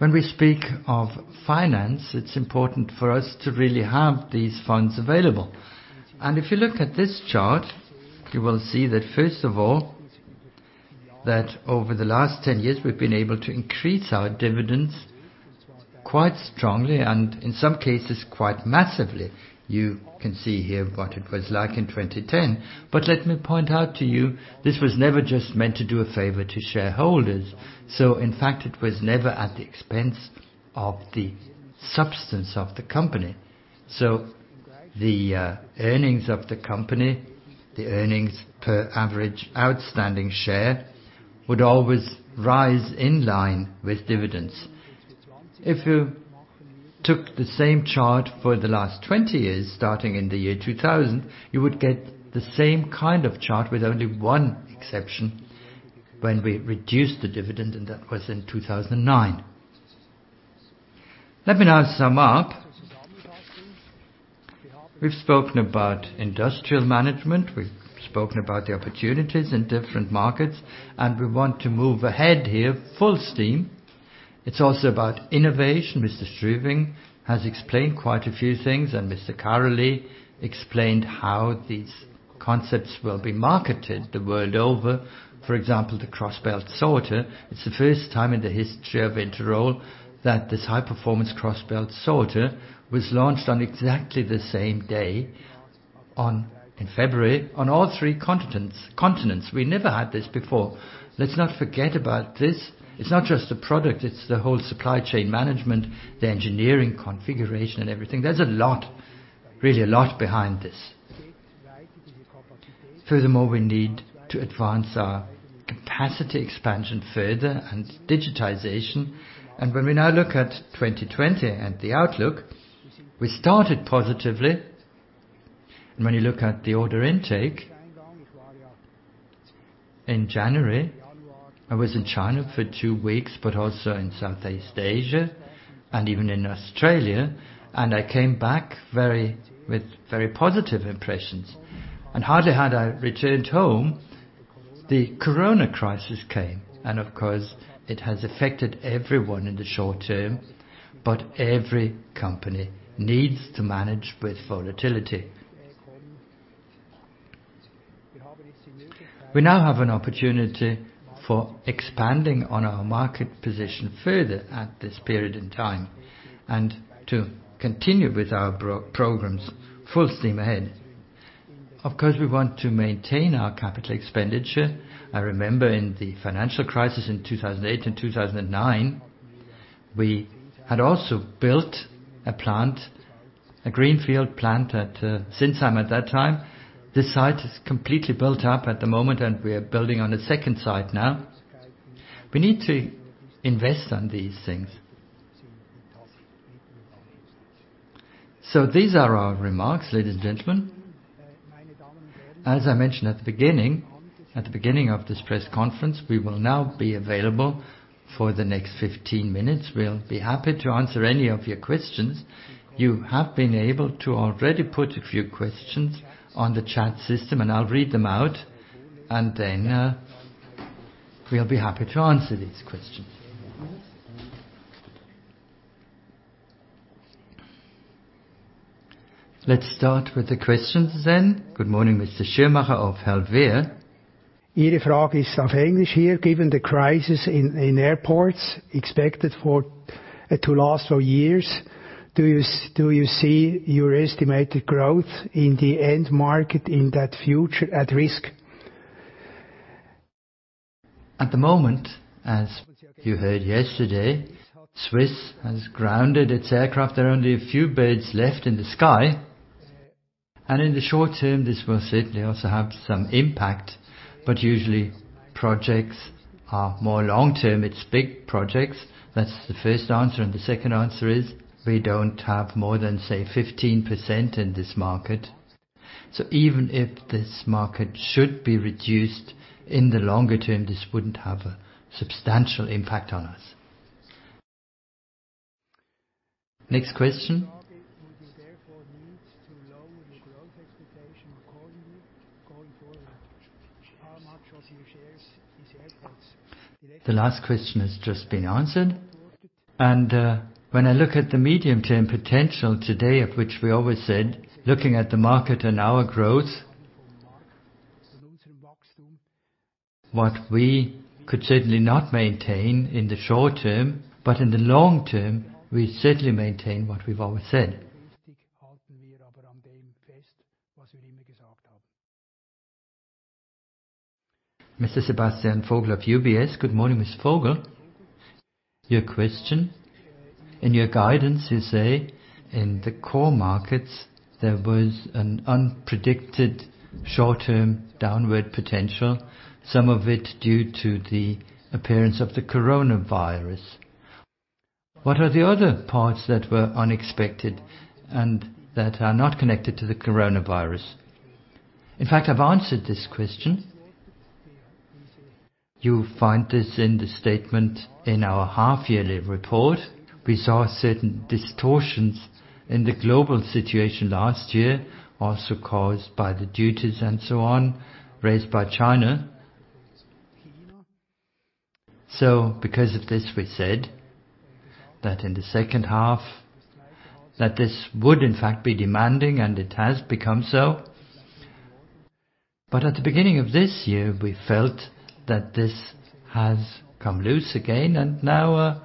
If we speak of finance, it is important for us to really have these funds available. If you look at this chart, you will see that first of all, that over the last ten years, we have been able to increase our dividends quite strongly, and in some cases, quite massively. You can see here what it was like in 2010. Let me point out to you, this was never just meant to do a favor to shareholders. In fact, it was never at the expense of the substance of the company. The earnings of the company, the earnings per average outstanding share, would always rise in line with dividends. If you took the same chart for the last 20 years, starting in the year 2000, you would get the same kind of chart with only one exception, when we reduced the dividend, and that was in 2009. Let me now sum up. We've spoken about industrial management. We've spoken about the opportunities in different markets. We want to move ahead here full steam. It's also about innovation. Mr. Strüwing has explained quite a few things. Mr. Karolyi explained how these concepts will be marketed the world over. For example, the Crossbelt Sorter. It's the first time in the history of Interroll that this High-Performance Crossbelt Sorter was launched on exactly the same day in February on all three continents. We never had this before. Let's not forget about this. It's not just the product, it's the whole supply chain management, the engineering configuration, and everything. There's a lot, really a lot, behind this. Furthermore, we need to advance our capacity expansion further and digitization. When we now look at 2020 and the outlook, we started positively. When you look at the order intake in January, I was in China for two weeks, but also in Southeast Asia and even in Australia, and I came back with very positive impressions. Hardly had I returned home, the Corona crisis came, and of course, it has affected everyone in the short term, but every company needs to manage with volatility. We now have an opportunity for expanding on our market position further at this period in time and to continue with our programs full steam ahead. Of course, we want to maintain our capital expenditure. I remember in the financial crisis in 2008 and 2009, we had also built a plant, a greenfield plant at Sinsheim at that time. This site is completely built up at the moment, and we are building on a second site now. We need to invest on these things. These are our remarks, ladies and gentlemen. As I mentioned at the beginning of this press conference, we will now be available for the next 15 minutes. We'll be happy to answer any of your questions. You have been able to already put a few questions on the chat system, and I'll read them out, and then we'll be happy to answer these questions. Let's start with the questions then. Good morning, Mr. Schirrmacher of. Given the crisis in airports expected to last for years, do you see your estimated growth in the end market in that future at risk? At the moment, as you heard yesterday, Swiss International Air Lines has grounded its aircraft. There are only a few birds left in the sky. In the short term, this will certainly also have some impact, but usually, projects are more long-term. It's big projects. That's the first answer, and the second answer is we don't have more than, say, 15% in this market. Even if this market should be reduced in the longer term, this wouldn't have a substantial impact on us. Next question. Would you therefore need to lower your growth expectation going forward? How much of your shares is airports? The last question has just been answered. When I look at the medium-term potential today, of which we always said, looking at the market and our growth, what we could certainly not maintain in the short term, but in the long term, we certainly maintain what we've always said. Mr. Sebastian Vogel of UBS. Good morning, Mr. Vogel. Your question. In your guidance, you say in the core markets, there was an unpredicted short-term downward potential, some of it due to the appearance of the coronavirus. What are the other parts that were unexpected and that are not connected to the coronavirus? In fact, I've answered this question. You find this in the statement in our half-yearly report. We saw certain distortions in the global situation last year, also caused by the duties and so on, raised by China. Because of this, we said that in the second half that this would in fact be demanding, and it has become so. At the beginning of this year, we felt that this has come loose again, and now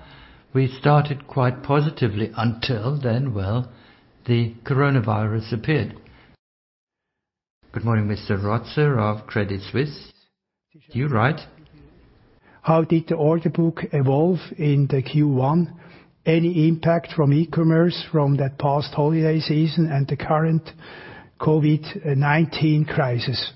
we started quite positively until then, well, the coronavirus appeared. Good morning, Mr. Rotzer of Credit Suisse. You're right. How did the order book evolve in the Q1? Any impact from e-commerce from that past holiday season and the current COVID-19 crisis?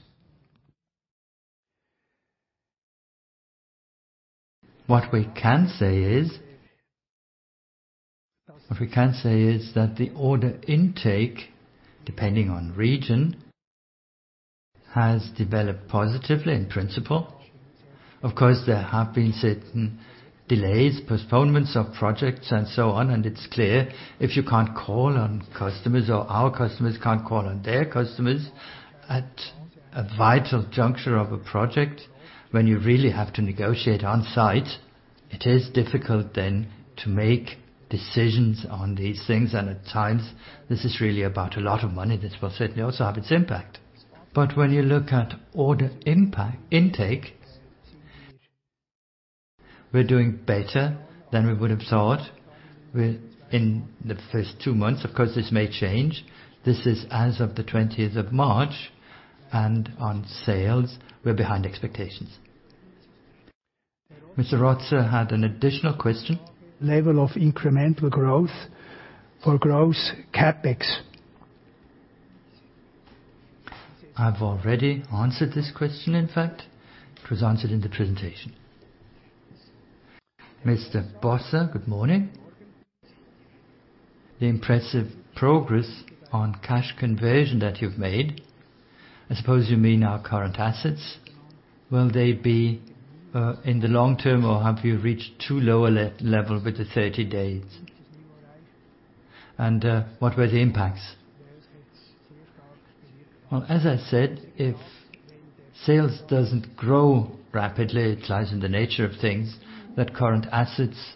What we can say is that the order intake, depending on region, has developed positively in principle. Of course, there have been certain delays, postponements of projects, and so on. It's clear if you can't call on customers or our customers can't call on their customers at a vital juncture of a project, when you really have to negotiate on site, it is difficult then to make decisions on these things, and at times, this is really about a lot of money. This will certainly also have its impact. When you look at order intake, we're doing better than we would have thought in the first two months. Of course, this may change. This is as of March 20, and on sales, we're behind expectations. Mr. Rotzer had an additional question. Level of incremental growth for gross CapEx. I've already answered this question. In fact, it was answered in the presentation. Mr. Bosse, good morning. The impressive progress on cash conversion that you've made, I suppose you mean our current assets, will they be in the long term, or have you reached too low a level with the 30 days? What were the impacts? Well, as I said, if sales doesn't grow rapidly, it lies in the nature of things that current assets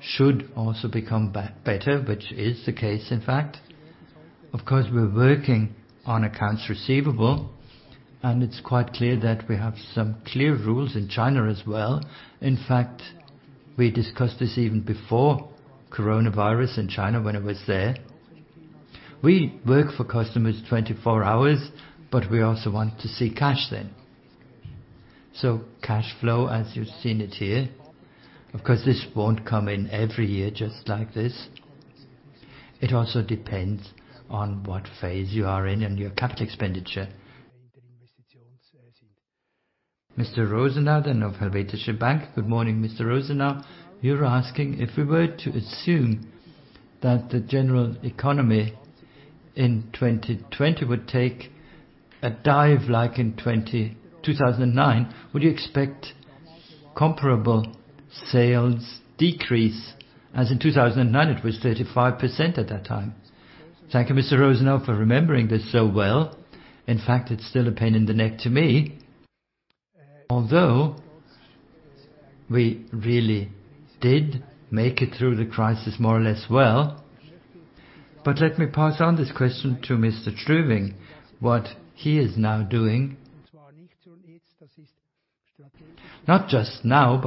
should also become better, which is the case, in fact. Of course, we're working on accounts receivable, and it's quite clear that we have some clear rules in China as well. In fact, we discussed this even before coronavirus in China when I was there. We work for customers 24 hours, but we also want to see cash then. Cash flow as you've seen it here. Of course, this won't come in every year just like this. It also depends on what phase you are in and your capital expenditure. Mr. Rosenau of Helvetische Bank. Good morning, Mr. Remo Rosenau. You're asking if we were to assume that the general economy in 2020 would take a dive like in 2009, would you expect comparable sales decrease as in 2009? It was 35% at that time. Thank you, Mr. Rosenau, for remembering this so well. In fact, it's still a pain in the neck to me, although we really did make it through the crisis more or less well. Let me pass on this question to Mr. Strüwing, what he is now doing. Not just now,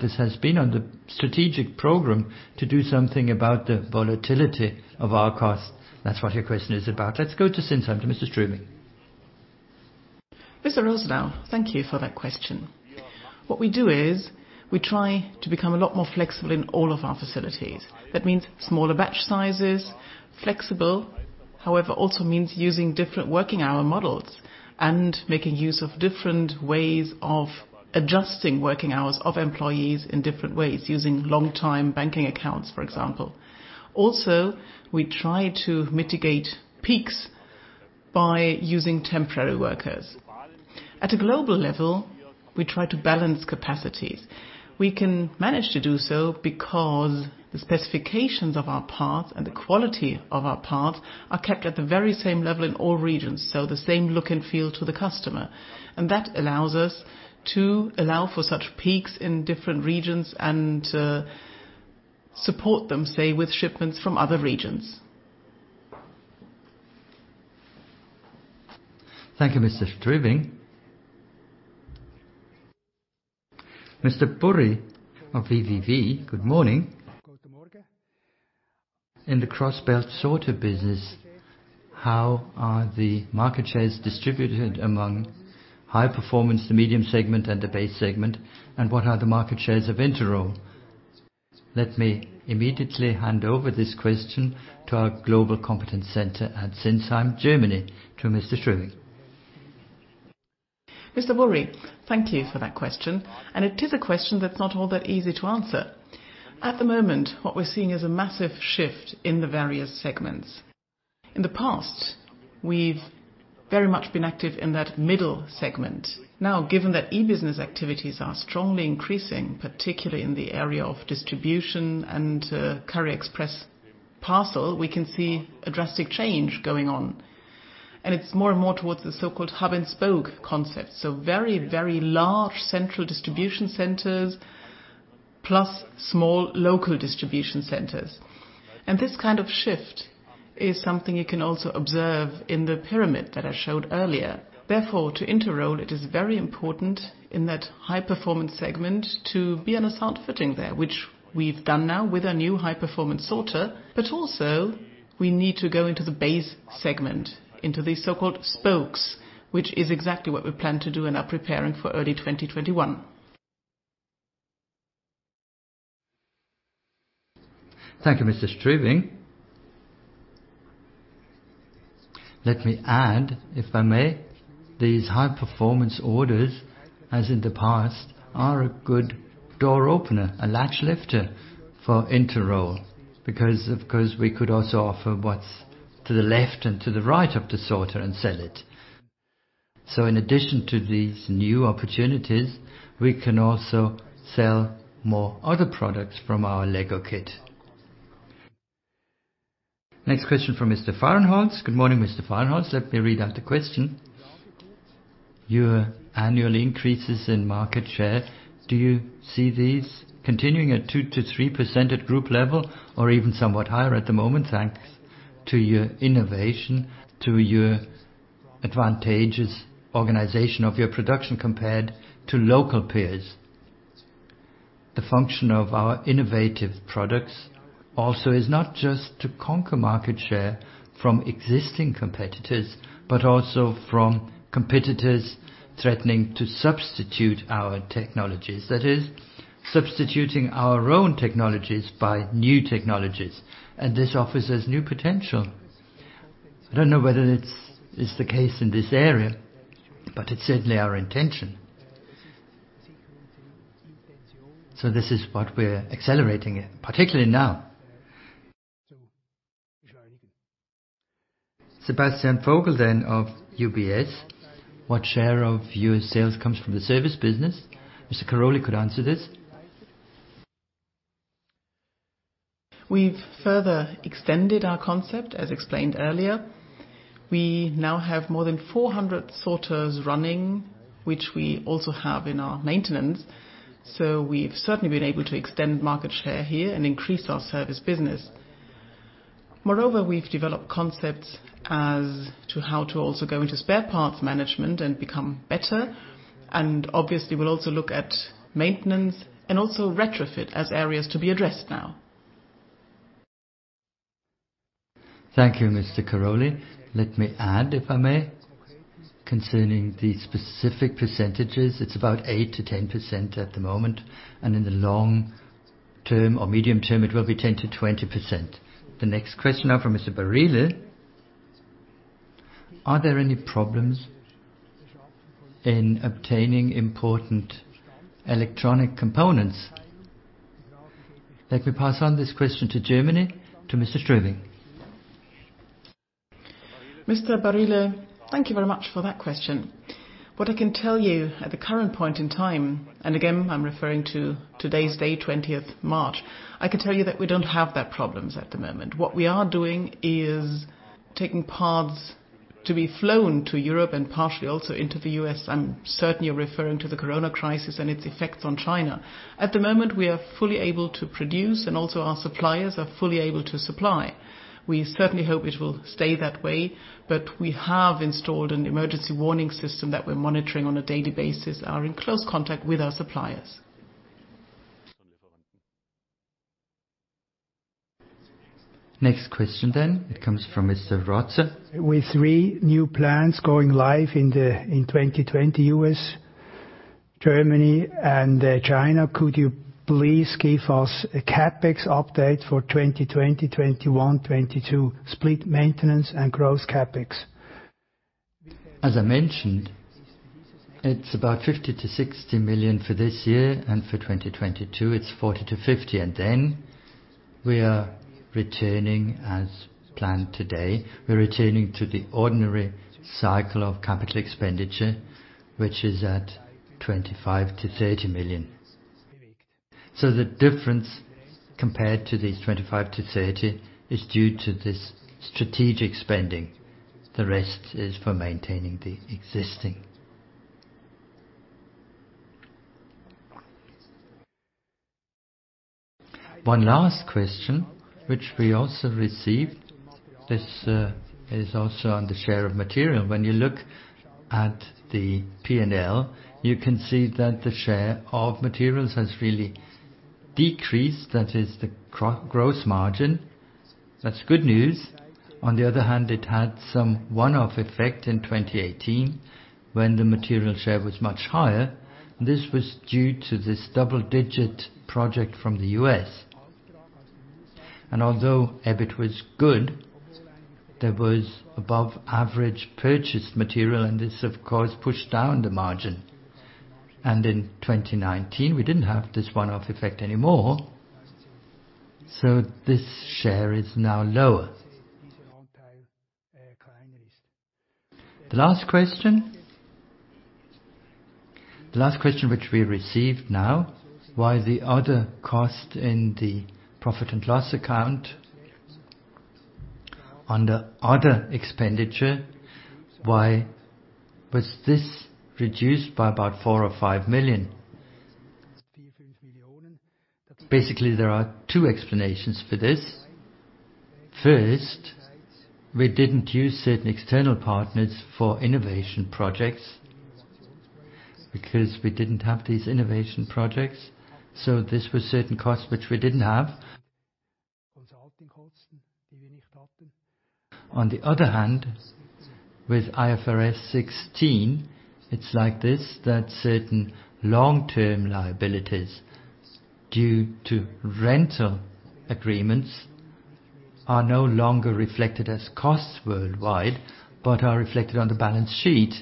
this has been on the strategic program to do something about the volatility of our costs. That's what your question is about. Let's go to Sinsheim, to Mr. Strüwing. Mr. Rosenau, thank you for that question. What we do is we try to become a lot more flexible in all of our facilities. That means smaller batch sizes. Flexible, however, also means using different working hour models and making use of different ways of adjusting working hours of employees in different ways, using long-time banking accounts, for example. Also, we try to mitigate peaks by using temporary workers. At a global level, we try to balance capacities. We can manage to do so because the specifications of our parts and the quality of our parts are kept at the very same level in all regions, so the same look and feel to the customer. That allows us to allow for such peaks in different regions and support them, say, with shipments from other regions. Thank you, Mr. Strüwing. Mr. Bosse of Baader Bank, good morning. In the Crossbelt Sorter business, how are the market shares distributed among high performance, the medium segment, and the base segment, and what are the market shares of Interroll? Let me immediately hand over this question to our global competence center at Sinsheim, Germany, to Mr. Strüwing. Mr. Bosse, thank you for that question, and it is a question that's not all that easy to answer. At the moment, what we're seeing is a massive shift in the various segments. In the past, we've very much been active in that middle segment. Now, given that e-business activities are strongly increasing, particularly in the area of distribution and Courier Express Parcel, we can see a drastic change going on, and it's more and more towards the so-called Hub-and-spoke concept. Very large central distribution centers, plus small local distribution centers. This kind of shift is something you can also observe in the pyramid that I showed earlier. Therefore, to Interroll, it is very important in that high-performance segment to be on a sound footing there, which we've done now with our new High-Performance sorter. Also, we need to go into the base segment, into these so-called spokes, which is exactly what we plan to do and are preparing for early 2021. Thank you, Mr. Strüwing. Let me add, if I may, these high-performance sorters, as in the past, are a good door opener, a latch lifter for Interroll, because, of course, we could also offer what's to the left and to the right of the sorter and sell it. In addition to these new opportunities, we can also sell more other products from our Lego kit. Next question from Mr. Farnholz, Good morning, Mr. Farnholz. Let me read out the question. Your annual increases in market share, do you see these continuing at 2%-3% at Group level or even somewhat higher at the moment, thanks to your innovation, to your advantageous organization of your production compared to local peers? The function of our innovative products also is not just to conquer market share from existing competitors, but also from competitors threatening to substitute our technologies. That is, substituting our own technologies by new technologies, and this offers us new potential. I don't know whether it's the case in this area, but it's certainly our intention. This is what we're accelerating in, particularly now. Sebastian Vogel then of UBS: What share of your sales comes from the service business? Mr. Karolyi could answer this. We've further extended our concept, as explained earlier. We now have more than 400 sorters running, which we also have in our maintenance. We've certainly been able to extend market share here and increase our service business. Moreover, we've developed concepts as to how to also go into spare parts management and become better, and obviously, we'll also look at maintenance and also retrofit as areas to be addressed now. Thank you, Mr. Karolyi. Let me add, if I may, concerning the specific percentages, it's about 8%-10% at the moment, and in the long term or medium term, it will be 10%-20%. The next question now from Mr. Barile: Are there any problems in obtaining important electronic components? Let me pass on this question to Germany, to Mr. Strüwing. Mr. Barile, thank you very much for that question. What I can tell you at the current point in time, and again, I'm referring to today's day, 20th March, I can tell you that we don't have that problems at the moment. What we are doing is taking paths to be flown to Europe and partially also into the U.S. I certainly am referring to the Corona crisis and its effects on China. At the moment, we are fully able to produce and also our suppliers are fully able to supply. We certainly hope it will stay that way, but we have installed an emergency warning system that we're monitoring on a daily basis, are in close contact with our suppliers. Next question. It comes from Mr. Rotzer. With three new plants going live in 2020, U.S., Germany, and China, could you please give us a CapEx update for 2020, 2021, 2022, split maintenance, and gross CapEx? As I mentioned, it's about 50 million-60 million for this year, and for 2022, it's 40 million-50 million. Then we are returning as planned today. We're returning to the ordinary cycle of capital expenditure, which is at 25 million-30 million. The difference compared to these 25 million-30 million is due to this strategic spending. The rest is for maintaining the existing. One last question, which we also received. This is also on the share of material. When you look at the P&L, you can see that the share of materials has really decreased. That is the gross margin. That's good news. On the other hand, it had some one-off effect in 2018 when the material share was much higher. This was due to this double-digit project from the U.S. Although EBIT was good, there was above-average purchased material, and this, of course, pushed down the margin. In 2019, we didn't have this one-off effect anymore. This share is now lower. The last question which we received now, why the other cost in the profit and loss account under other expenditure, why was this reduced by about CHF four or five million? Basically, there are two explanations for this. First, we didn't use certain external partners for innovation projects because we didn't have these innovation projects. This was certain costs which we didn't have. On the other hand, with IFRS 16, it's like this, that certain long-term liabilities due to rental agreements are no longer reflected as costs worldwide, but are reflected on the balance sheet.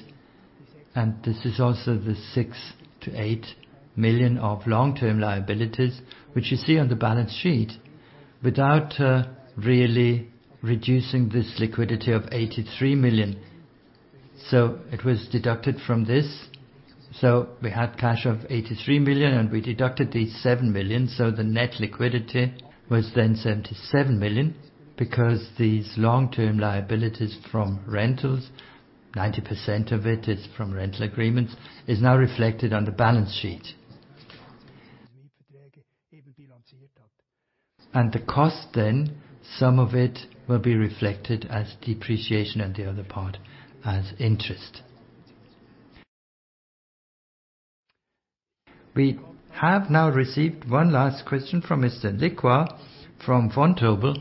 This is also the 6 million-8 million of long-term liabilities, which you see on the balance sheet without really reducing this liquidity of 83 million. It was deducted from this. We had cash of 83 million, and we deducted the 7 million. The net liquidity was then 77 million because these long-term liabilities from rentals, 90% of it is from rental agreements, is now reflected on the balance sheet. The cost then, some of it will be reflected as depreciation and the other part as interest. We have now received one last question from Mr. Likwa from Vontobel.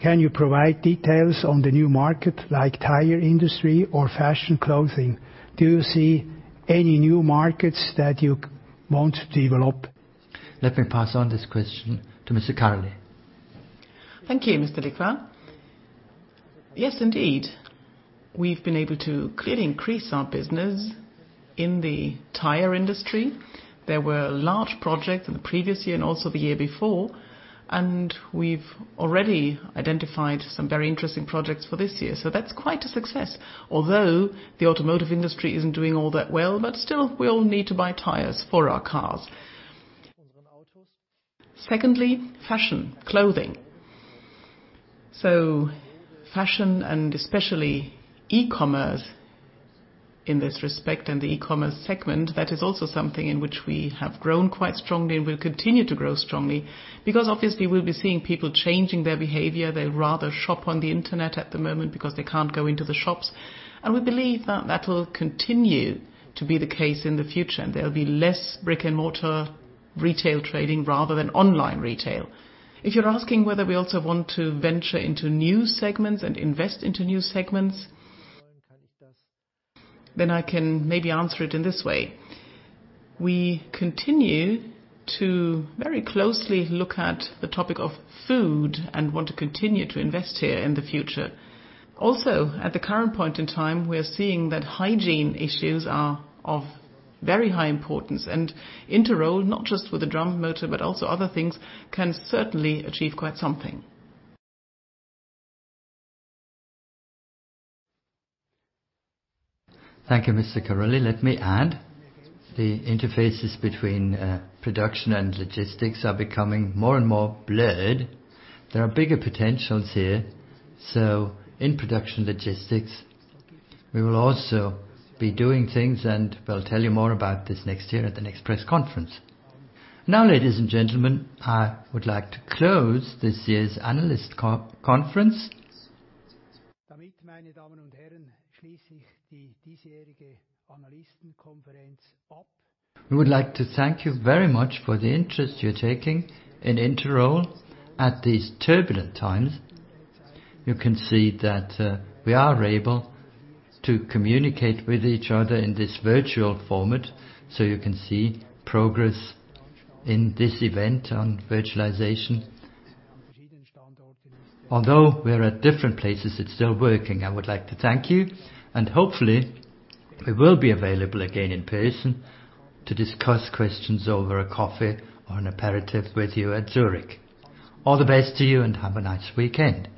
Can you provide details on the new market, like tire industry or fashion clothing? Do you see any new markets that you want to develop? Let me pass on this question to Mr. Karolyi. Thank you, Mr. Likwa. Yes, indeed. We've been able to clearly increase our business in the tire industry. There were large projects in the previous year and also the year before. We've already identified some very interesting projects for this year. That's quite a success. Although the automotive industry isn't doing all that well, but still, we all need to buy tires for our cars. Secondly, fashion, clothing. Fashion and especially e-commerce in this respect and the e-commerce segment, that is also something in which we have grown quite strongly and will continue to grow strongly because obviously we'll be seeing people changing their behavior. They'd rather shop on the internet at the moment because they can't go into the shops. We believe that that will continue to be the case in the future, and there'll be less brick and mortar retail trading rather than online retail. If you're asking whether we also want to venture into new segments and invest into new segments, then I can maybe answer it in this way. We continue to very closely look at the topic of food and want to continue to invest here in the future. At the current point in time, we are seeing that hygiene issues are of very high importance, and Interroll, not just with the drum motor, but also other things, can certainly achieve quite something. Thank you, Mr. Karolyi. Let me add, the interfaces between production and logistics are becoming more and more blurred. There are bigger potentials here. In production logistics, we'll also be doing things, and we'll tell you more about this next year at the next press conference. Ladies and gentlemen, I would like to close this year's analyst conference. We would like to thank you very much for the interest you're taking in Interroll at these turbulent times. You can see that we are able to communicate with each other in this virtual format, so you can see progress in this event on virtualization. Although we're at different places, it's still working. I would like to thank you, and hopefully we will be available again in person to discuss questions over a coffee or an aperitif with you at Zurich. All the best to you, and have a nice weekend.